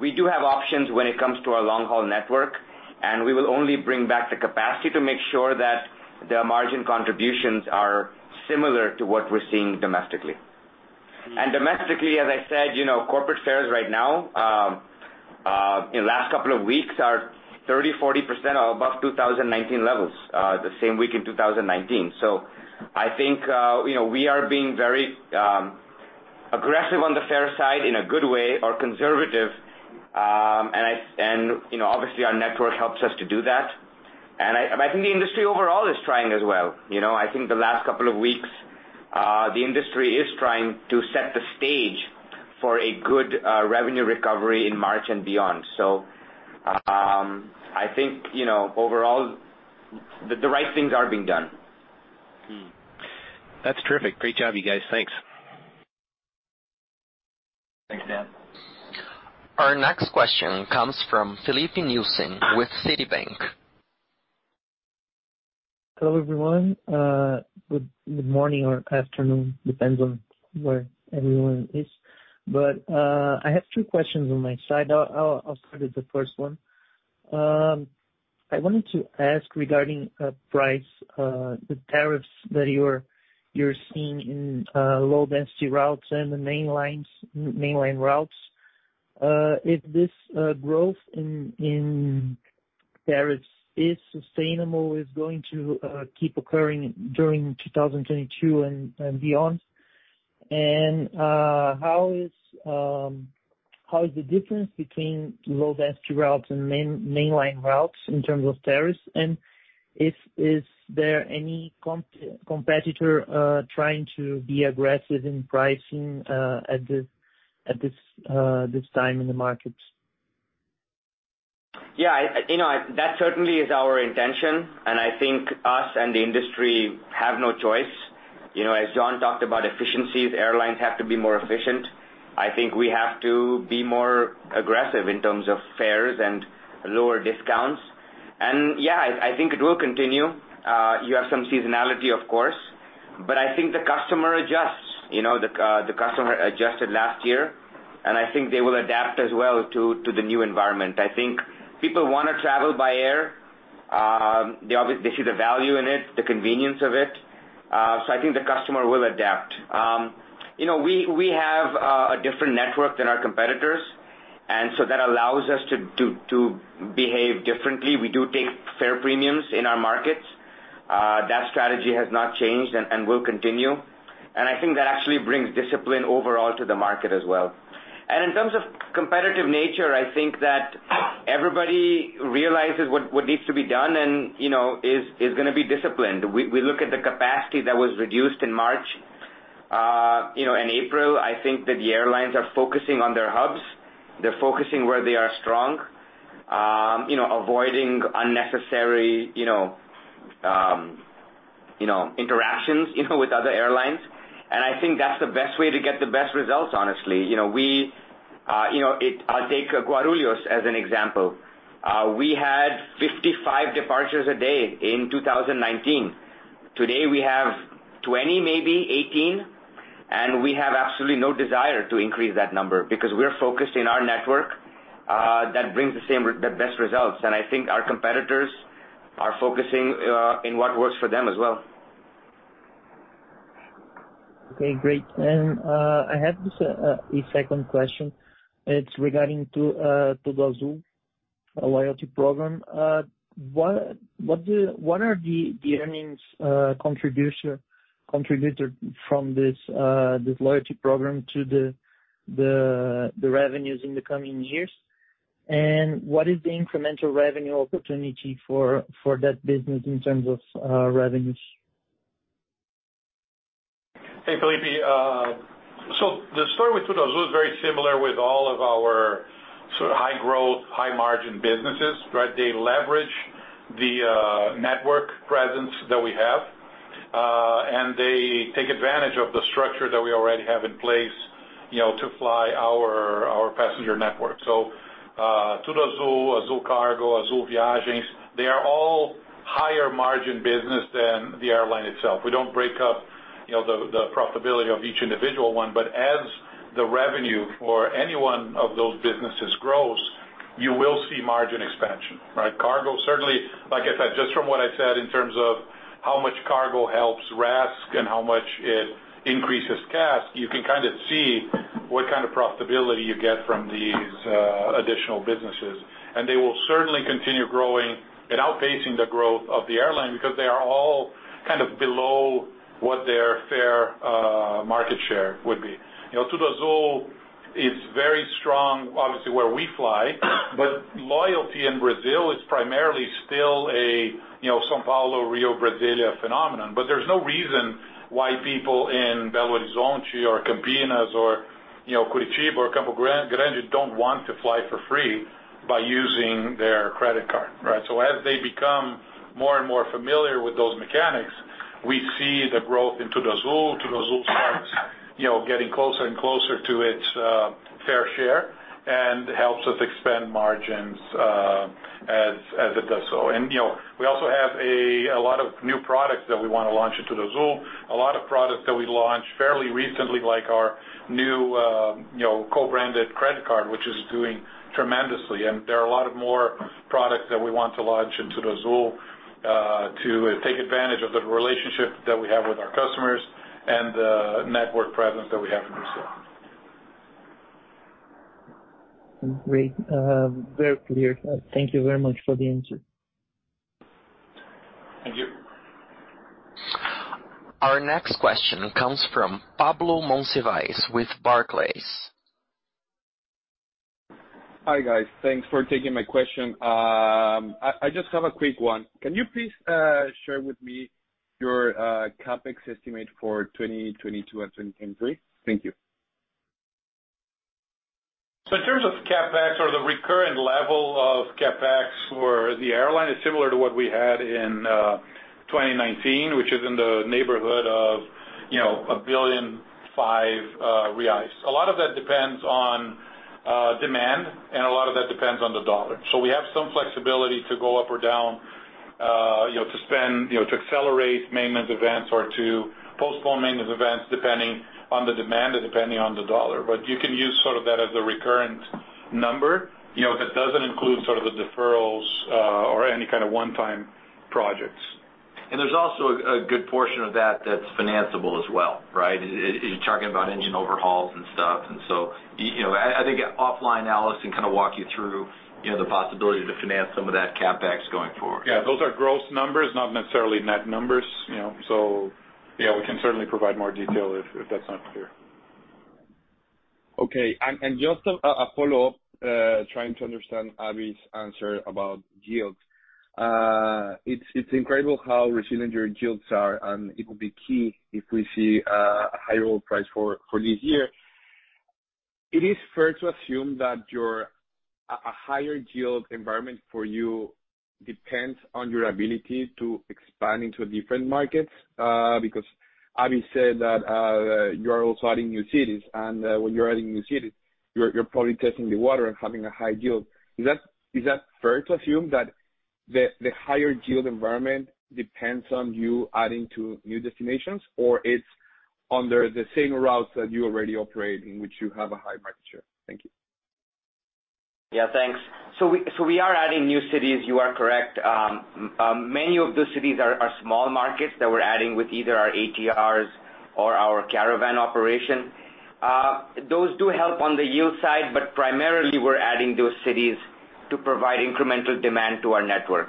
customers. We do have options when it comes to our long-haul network, and we will only bring back the capacity to make sure that the margin contributions are similar to what we're seeing domestically. Domestically, as I said, you know, corporate fares right now in last couple of weeks are 30%-40% above 2019 levels, the same week in 2019. I think, you know, we are being very aggressive on the fare side in a good way or conservative. And, you know, obviously our network helps us to do that. I think the industry overall is trying as well. You know, I think the last couple of weeks, the industry is trying to set the stage for a good revenue recovery in March and beyond. I think, you know, overall the right things are being done. That's terrific. Great job, you guys. Thanks. Thanks, Dan. Our next question comes from Felipe Nielsen with Citibank. Hello, everyone. Good morning or afternoon, depends on where everyone is. I have two questions on my side. I'll start with the first one. I wanted to ask regarding price, the tariffs that you're seeing in low-density routes and the mainline routes. If this growth in tariffs is sustainable, is going to keep occurring during 2022 and beyond? How is the difference between low-density routes and mainline routes in terms of tariffs? And if is there any competitor trying to be aggressive in pricing at this time in the market? Yeah. You know, that certainly is our intention, and I think us and the industry have no choice. You know, as John talked about efficiencies, airlines have to be more efficient. I think we have to be more aggressive in terms of fares and lower discounts. Yeah, I think it will continue. You have some seasonality, of course. I think the customer adjusts. You know, the customer adjusted last year, and I think they will adapt as well to the new environment. I think people wanna travel by air. They see the value in it, the convenience of it. I think the customer will adapt. You know, we have a different network than our competitors, and so that allows us to behave differently. We do take fare premiums in our markets. That strategy has not changed and will continue. I think that actually brings discipline overall to the market as well. In terms of competitive nature, I think that everybody realizes what needs to be done and, you know, is gonna be disciplined. We look at the capacity that was reduced in March. You know, in April, I think that the airlines are focusing on their hubs. They're focusing where they are strong, you know, avoiding unnecessary, you know, interactions, you know, with other airlines. I think that's the best way to get the best results, honestly. You know, I'll take Guarulhos as an example. We had 55 departures a day in 2019. Today, we have 20, maybe 18, and we have absolutely no desire to increase that number because we're focused on our network that brings the best results. I think our competitors are focusing on what works for them as well. Okay, great. I have a second question. It's regarding TudoAzul loyalty program. What are the earnings contribution from this loyalty program to the revenues in the coming years? What is the incremental revenue opportunity for that business in terms of revenues? Hey, Felipe. The story with TudoAzul is very similar with all of our sort of high growth, high margin businesses, right? They leverage the network presence that we have and they take advantage of the structure that we already have in place, you know, to fly our passenger network. TudoAzul, Azul Cargo, Azul Viagens, they are all higher margin business than the airline itself. We don't break up the profitability of each individual one, but as the revenue for any one of those businesses grows, you will see margin expansion, right? Cargo certainly, like I said, just from what I said in terms of how much cargo helps RASK and how much it increases CASK, you can kind of see what kind of profitability you get from these additional businesses. They will certainly continue growing and outpacing the growth of the airline because they are all kind of below what their fair market share would be. You know, TudoAzul is very strong, obviously, where we fly, but loyalty in Brazil is primarily still a you know, São Paulo, Rio, Brasília phenomenon. There's no reason why people in Belo Horizonte or Campinas or, you know, Curitiba or Campo Grande don't want to fly for free by using their credit card, right? As they become more and more familiar with those mechanics, we see the growth in TudoAzul. TudoAzul starts, you know, getting closer and closer to its fair share and helps us expand margins as it does so. You know, we also have a lot of new products that we wanna launch in TudoAzul, a lot of products that we launched fairly recently, like our new, you know, co-branded credit card, which is doing tremendously. There are a lot of more products that we want to launch in TudoAzul to take advantage of the relationship that we have with our customers and the network presence that we have in Brazil. Great. Very clear. Thank you very much for the answer. Thank you. Our next question comes from Pablo Monsivais with Barclays. Hi, guys. Thanks for taking my question. I just have a quick one. Can you please share with me your CapEx estimate for 2022 and 2023? Thank you. In terms of CapEx or the recurrent level of CapEx for the airline is similar to what we had in 2019, which is in the neighborhood of, you know, 1.5 billion. A lot of that depends on demand, and a lot of that depends on the US dollar. We have some flexibility to go up or down, you know, to spend, you know, to accelerate maintenance events or to postpone maintenance events, depending on the demand and depending on the US dollar. But you can use sort of that as a recurrent number. You know, that doesn't include sort of the deferrals or any kind of one-time projects. There's also a good portion of that that's financeable as well, right? You're talking about engine overhauls and stuff, and so, you know. I think offline, Allison can kind of walk you through, you know, the possibility to finance some of that CapEx going forward. Yeah. Those are gross numbers, not necessarily net numbers, you know? Yeah, we can certainly provide more detail if that's not clear. Okay. Just a follow-up, trying to understand Abhi's answer about yields. It's incredible how resilient your yields are, and it will be key if we see a higher oil price for this year. It is fair to assume that a higher yield environment for you depends on your ability to expand into different markets? Because Abhi said that, you are also adding new cities, and when you're adding new cities, you're probably testing the water and having a high yield. Is that fair to assume that the higher yield environment depends on you adding to new destinations or it's under the same routes that you already operate in which you have a high market share? Thank you. Yeah, thanks. We are adding new cities, you are correct. Many of those cities are small markets that we're adding with either our ATRs or our Caravan operation. Those do help on the yield side, but primarily we're adding those cities to provide incremental demand to our network.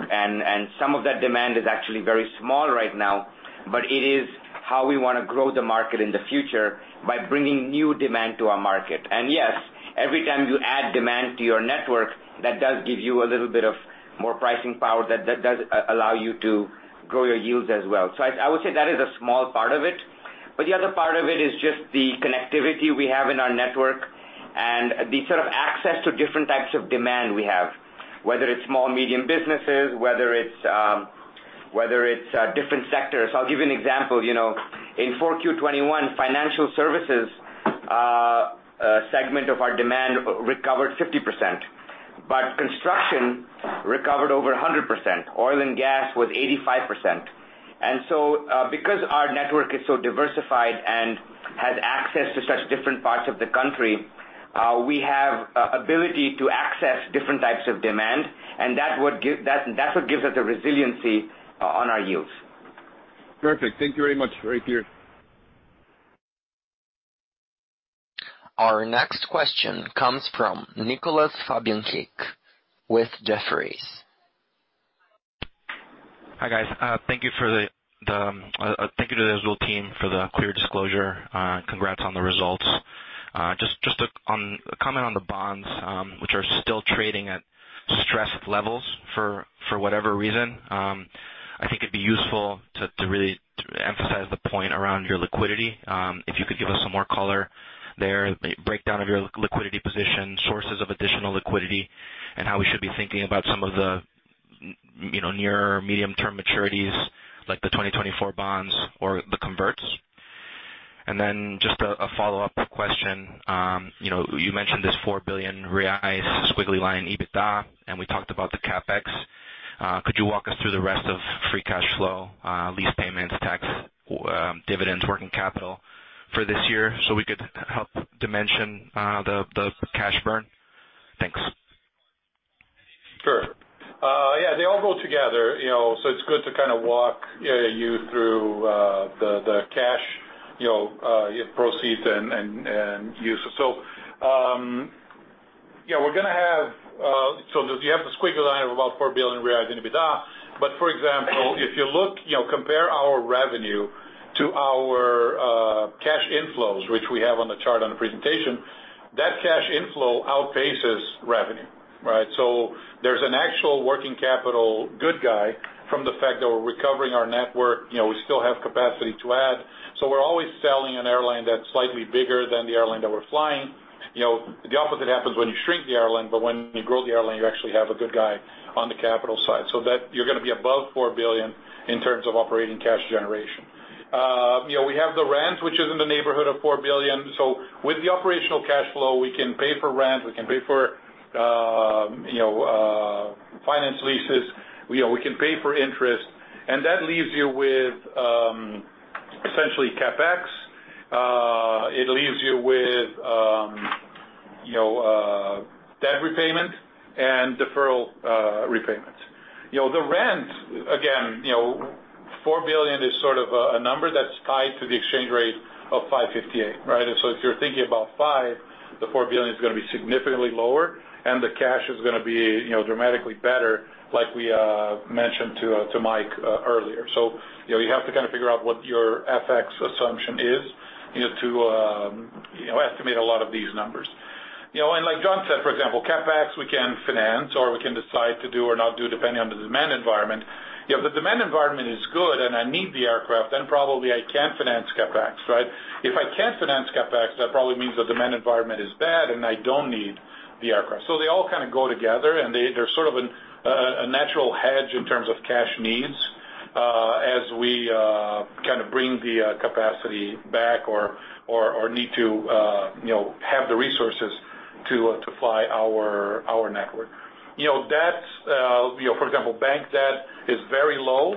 Some of that demand is actually very small right now, but it is how we wanna grow the market in the future by bringing new demand to our market. Yes, every time you add demand to your network, that does give you a little bit of more pricing power that does allow you to grow your yields as well. I would say that is a small part of it. The other part of it is just the connectivity we have in our network and the sort of access to different types of demand we have, whether it's small or medium businesses, whether it's different sectors. I'll give you an example. You know, in 4Q 2021, financial services segment of our demand recovered 50%, but construction recovered over 100%. Oil and gas was 85%. Because our network is so diversified and has access to such different parts of the country, we have ability to access different types of demand, and that's what gives us the resiliency on our yields. Perfect. Thank you very much. Right here. Our next question comes from Nicolas Fabiancic with Jefferies. Hi, guys. Thank you to the Azul team for the clear disclosure. Congrats on the results. Just a comment on the bonds, which are still trading at stressed levels for whatever reason. I think it'd be useful to really emphasize the point around your liquidity. If you could give us some more color there, breakdown of your liquidity position, sources of additional liquidity, and how we should be thinking about some of the near or medium-term maturities like the 2024 bonds or the converts. A follow-up question. You mentioned this 4 billion reais squiggly line EBITDA, and we talked about the CapEx. Could you walk us through the rest of free cash flow, lease payments, tax, dividends, working capital for this year so we could help dimension the cash burn? Thanks. Sure. Yeah, they all go together, you know, it's good to kinda walk you through the cash, you know, proceeds and use. Yeah, we're gonna have, you have the squiggly line of about 4 billion reais in EBITDA. For example, if you look, you know, compare our revenue to our cash inflows, which we have on the chart on the presentation, that cash inflow outpaces revenue, right? There's an actual working capital good guy from the fact that we're recovering our network, you know, we still have capacity to add. We're always selling an airline that's slightly bigger than the airline that we're flying. You know, the opposite happens when you shrink the airline, but when you grow the airline, you actually have a good guy on the capital side. That you're gonna be above 4 billion in terms of operating cash generation. We have the rent, which is in the neighborhood of 4 billion. With the operational cash flow, we can pay for rent, we can pay for finance leases, we can pay for interest. That leaves you with essentially CapEx. It leaves you with debt repayment and deferral repayments. The rent four billion is sort of a number that's tied to the exchange rate of 5.58, right? If you're thinking about five, the four billion is gonna be significantly lower and the cash is gonna be dramatically better like we mentioned to Mike earlier. You know, you have to kind of figure out what your FX assumption is, you know, to you know, estimate a lot of these numbers. You know, like John said, for example, CapEx we can finance or we can decide to do or not do depending on the demand environment. If the demand environment is good and I need the aircraft, then probably I can't finance CapEx, right? If I can't finance CapEx, that probably means the demand environment is bad and I don't need the aircraft. They all kind of go together and they're sort of a natural hedge in terms of cash needs, as we kind of bring the capacity back or need to you know, have the resources to fly our network. You know, debts, you know, for example, bank debt is very low.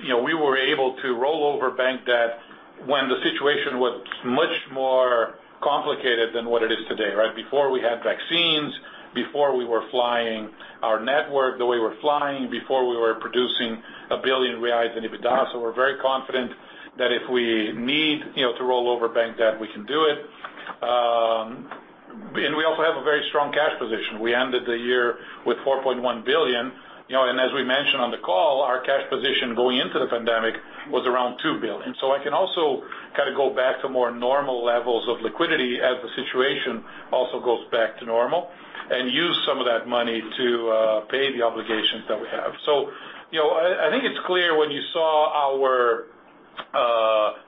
You know, we were able to roll over bank debt when the situation was much more complicated than what it is today, right? Before we had vaccines, before we were flying our network the way we're flying, before we were producing 1 billion reais in EBITDA, we're very confident that if we need, you know, to roll over bank debt, we can do it. You know, we also have a very strong cash position. We ended the year with 4.1 billion, you know, and as we mentioned on the call, our cash position going into the pandemic was around 2 billion. I can also kind of go back to more normal levels of liquidity as the situation also goes back to normal and use some of that money to pay the obligations that we have. You know, I think it's clear when you saw our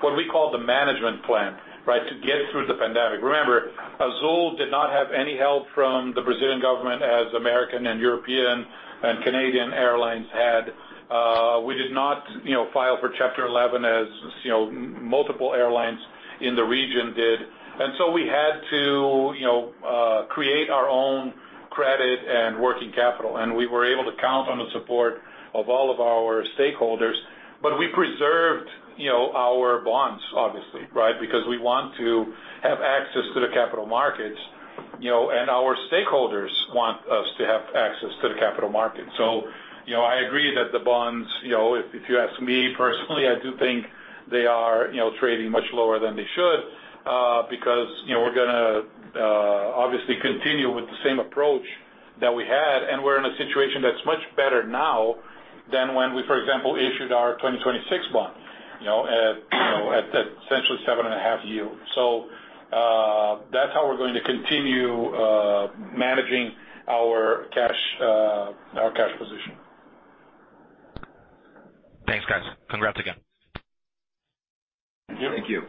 what we call the management plan, right, to get through the pandemic. Remember, Azul did not have any help from the Brazilian government as American and European and Canadian airlines had. You know, file for Chapter 11 as you know, multiple airlines in the region did. We had to you know, create our own credit and working capital, and we were able to count on the support of all of our stakeholders. We preserved you know, our bonds obviously, right? Because we want to have access to the capital markets, you know, and our stakeholders want us to have access to the capital markets. You know, I agree that the bonds, you know, if you ask me personally, I do think they are, you know, trading much lower than they should, because, you know, we're gonna obviously continue with the same approach that we had, and we're in a situation that's much better now than when we, for example, issued our 2026 bonds, you know, at essentially 7.5 yield. That's how we're going to continue managing our cash, our cash position. Thanks, guys. Congrats again. Thank you. Thank you.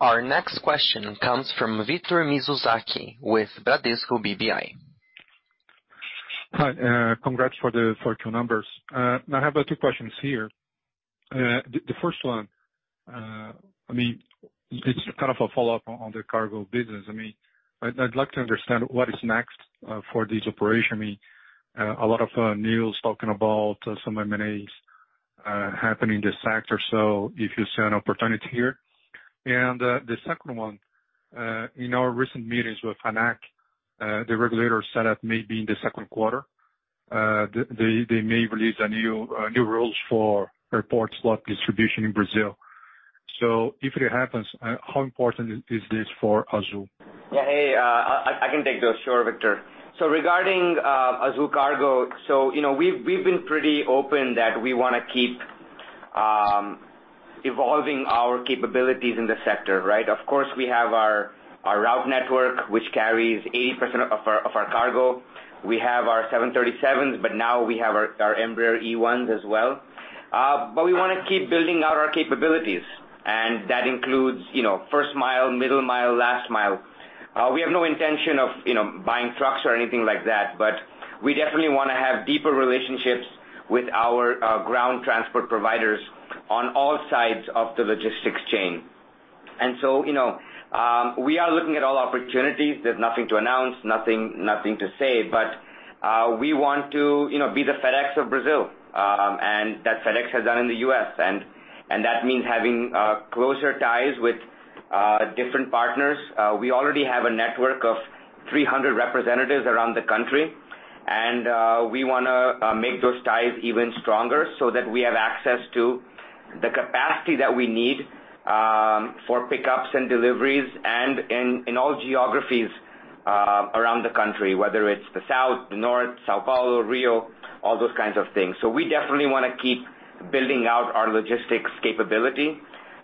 Our next question comes from Victor Mizusaki with Bradesco BBI. Hi, congrats for the 4Q numbers. Now I have two questions here. The first one, I mean, it's kind of a follow-up on the cargo business. I mean, I'd like to understand what is next for this operation. I mean, a lot of news talking about some M&As happening in this sector, so if you see an opportunity here. The second one, in our recent meetings with ANAC, the regulators said that maybe in the second quarter, they may release new rules for airport slot distribution in Brazil. If it happens, how important is this for Azul? Yeah. Hey, I can take those. Sure, Victor. Regarding Azul Cargo, you know, we've been pretty open that we wanna keep evolving our capabilities in the sector, right? Of course, we have our route network, which carries 80% of our cargo. We have our 737s, but now we have our Embraer E-ones as well. We wanna keep building out our capabilities, and that includes, you know, first mile, middle mile, last mile. We have no intention of, you know, buying trucks or anything like that, but we definitely wanna have deeper relationships with our ground transport providers on all sides of the logistics chain. You know, we are looking at all opportunities. There's nothing to announce, nothing to say. We want to, you know, be the FedEx of Brazil, and that FedEx has done in the U.S., and that means having closer ties with different partners. We already have a network of 300 representatives around the country, and we wanna make those ties even stronger so that we have access to the capacity that we need for pickups and deliveries and in all geographies around the country, whether it's the south, the north, São Paulo, Rio, all those kinds of things. We definitely wanna keep building out our logistics capability,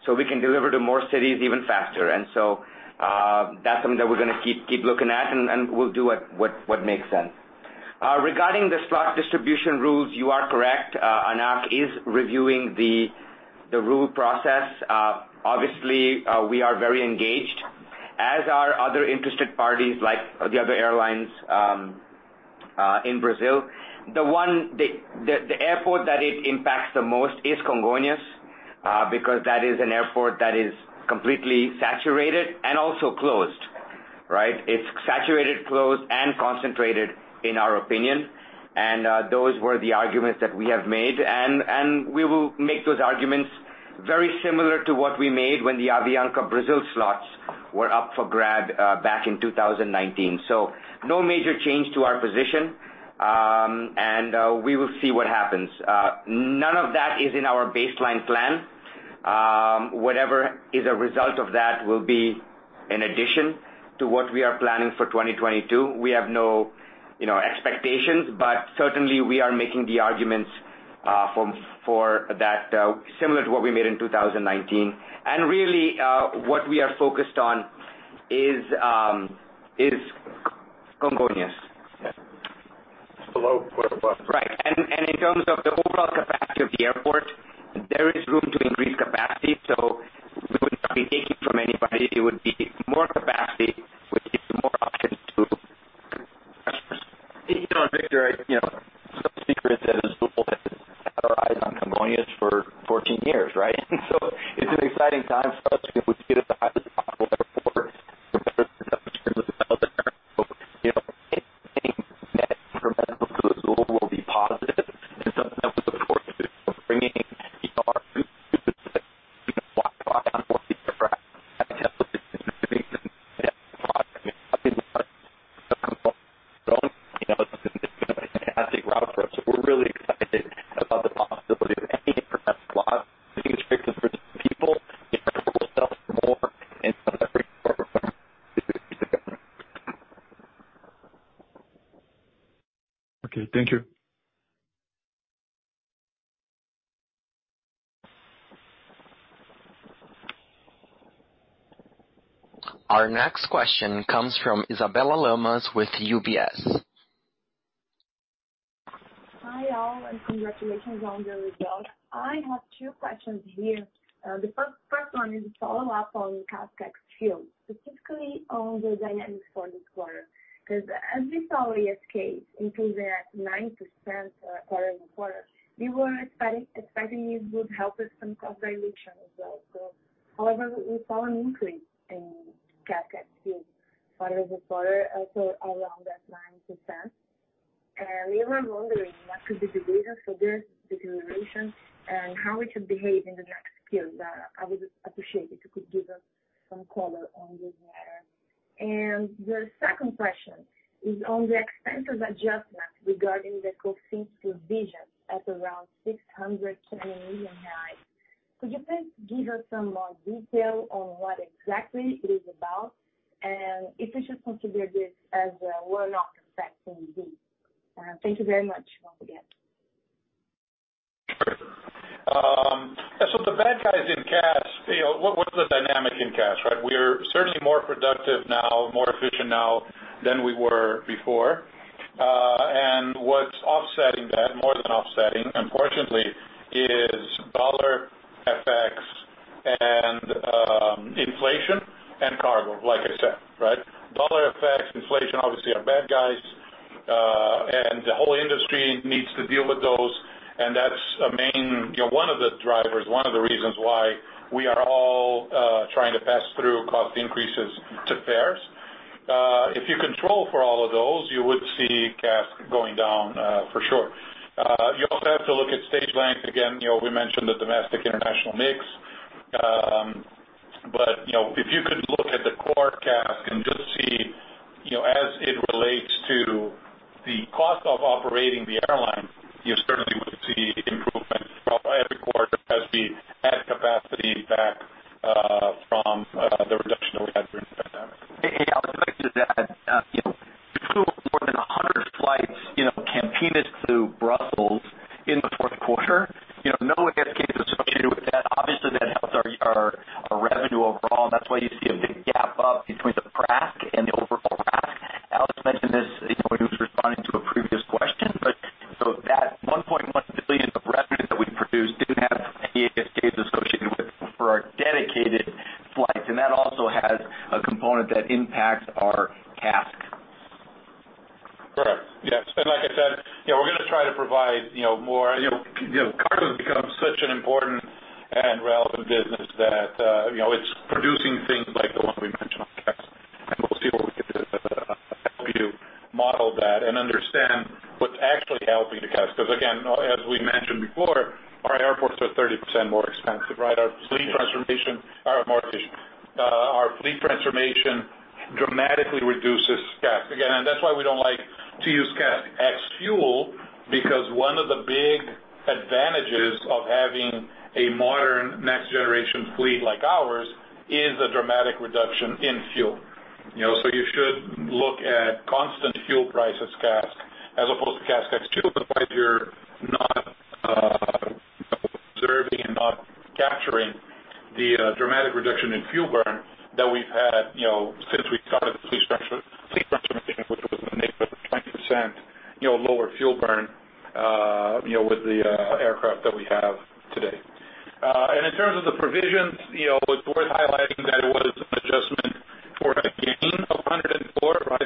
so we can deliver to more cities even faster. That's something that we're gonna keep looking at and we'll do what makes sense. Regarding the slot distribution rules, you are correct. ANAC is reviewing the rule process. Obviously, we are very engaged, as are other interested parties like the other airlines in Brazil. The airport that it impacts the most is Congonhas, because that is an airport that is completely saturated and also closed, right? It's saturated, closed, and concentrated in our opinion. Those were the arguments that we have made. We will make those arguments very similar to what we made when the Avianca Brazil slots were up for grab back in 2019. No major change to our position, we will see what happens. None of that is in our baseline plan. Whatever is a result of that will be in addition to what we are planning for 2022. We have no, you know, expectations, but certainly we are making the arguments for that, similar to what we made in 2019. Really, what we are focused on is Congonhas. Yes. Below. Right. In terms of the overall capacity of the airport, there is room to increase capacity, so cost dilution as well. However, we saw an increase in CASK ex fuel quarter-over-quarter, also around that 9%. We were wondering what could be the reason for this deterioration and how it should behave in the next period. I would appreciate if you could give us some color on this matter. The second question is on the extinguishment adjustment regarding the contingency provision at around 620 million. Could you please give us some more detail on what exactly it is about, and if we should consider this as a one-off affecting this? Thank you very much once again. The bad guys in CASK, you know, what's the dynamic in CASK, right? We are certainly more productive now, more efficient now than we were before. What's offsetting that, more than offsetting, unfortunately, is dollar FX and inflation and cargo, like I said, right? Dollar FX, inflation obviously are bad guys, and the whole industry needs to deal with those, and that's a main, you know, one of the drivers, one of the reasons why we are all trying to pass through cost increases to fares. If you control for all of those, you would see CASK going down, for sure. You also have to look at stage length. Again, you know, we mentioned the domestic international mix. You know, if you could look at the core CASK and just see, you know, as it relates to the cost of operating the airline, you certainly would see improvements quarter by quarter as we add capacity back from the reduction that we had during the pandemic. I would like to add, you know, we flew more than 100 flights, you know, Campinas through Brussels in the fourth quarter. You know, no ASKs associated with that. Obviously, that helps our revenue overall, and that's why you see a big gap up between the RASK and the overall RASK. Alex mentioned this, you know, when he was responding to a previous question. That 1.1 billion of revenue that we produced didn't have any ASKs associated with it for our dedicated flights, and that also has a component that impacts our CASK. Correct. Yes. Like I said, you know, we're gonna try to provide, you know, more. You know, cargo has become such an important and relevant business that, you know, it's producing things like the one we mentioned on CASK. We'll see what we can do to help you model that and understand what's actually helping the CASK. Because again, as we mentioned before, our airports are 30% more expensive, right? Our fleet transformation are more efficient. Our fleet transformation dramatically reduces CASK. Again, that's why we don't like to use CASK ex fuel, because one of the big advantages of having a modern next generation fleet like ours is a dramatic reduction in fuel. You know, so you should look at constant fuel prices CASK as opposed to CASK ex-fuel. Otherwise you're not observing and not capturing the dramatic reduction in fuel burn that we've had, you know, since we started the fleet transformation, which was in the neighborhood of 20%, you know, lower fuel burn, you know, with the aircraft that we have today. In terms of the provisions, you know, it's worth highlighting that it was an adjustment for a gain of 104, right?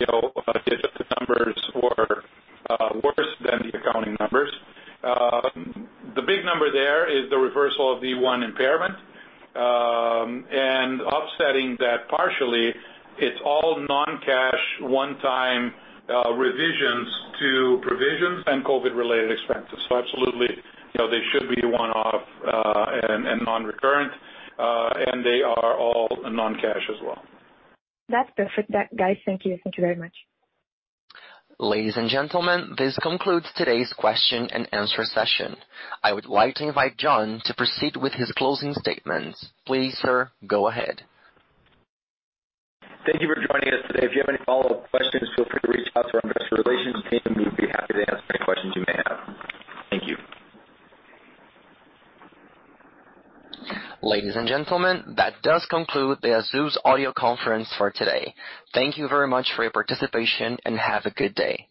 You know, the adjusted numbers were worse than the accounting numbers. The big number there is the reversal of the one impairment. Offsetting that partially, it's all non-cash one-time revisions to provisions and COVID-related expenses. Absolutely, you know, they should be one-off and non-recurrent, and they are all non-cash as well. That's perfect. Guys, thank you. Thank you very much. Ladies and gentlemen, this concludes today's question-and-answer session. I would like to invite John to proceed with his closing statements. Please, sir, go ahead. Thank you for joining us today. If you have any follow-up questions, feel free to reach out to our investor relations team. We'd be happy to answer any questions you may have. Thank you. Ladies and gentlemen, that does conclude the Azul's audio conference for today. Thank you very much for your participation, and have a good day.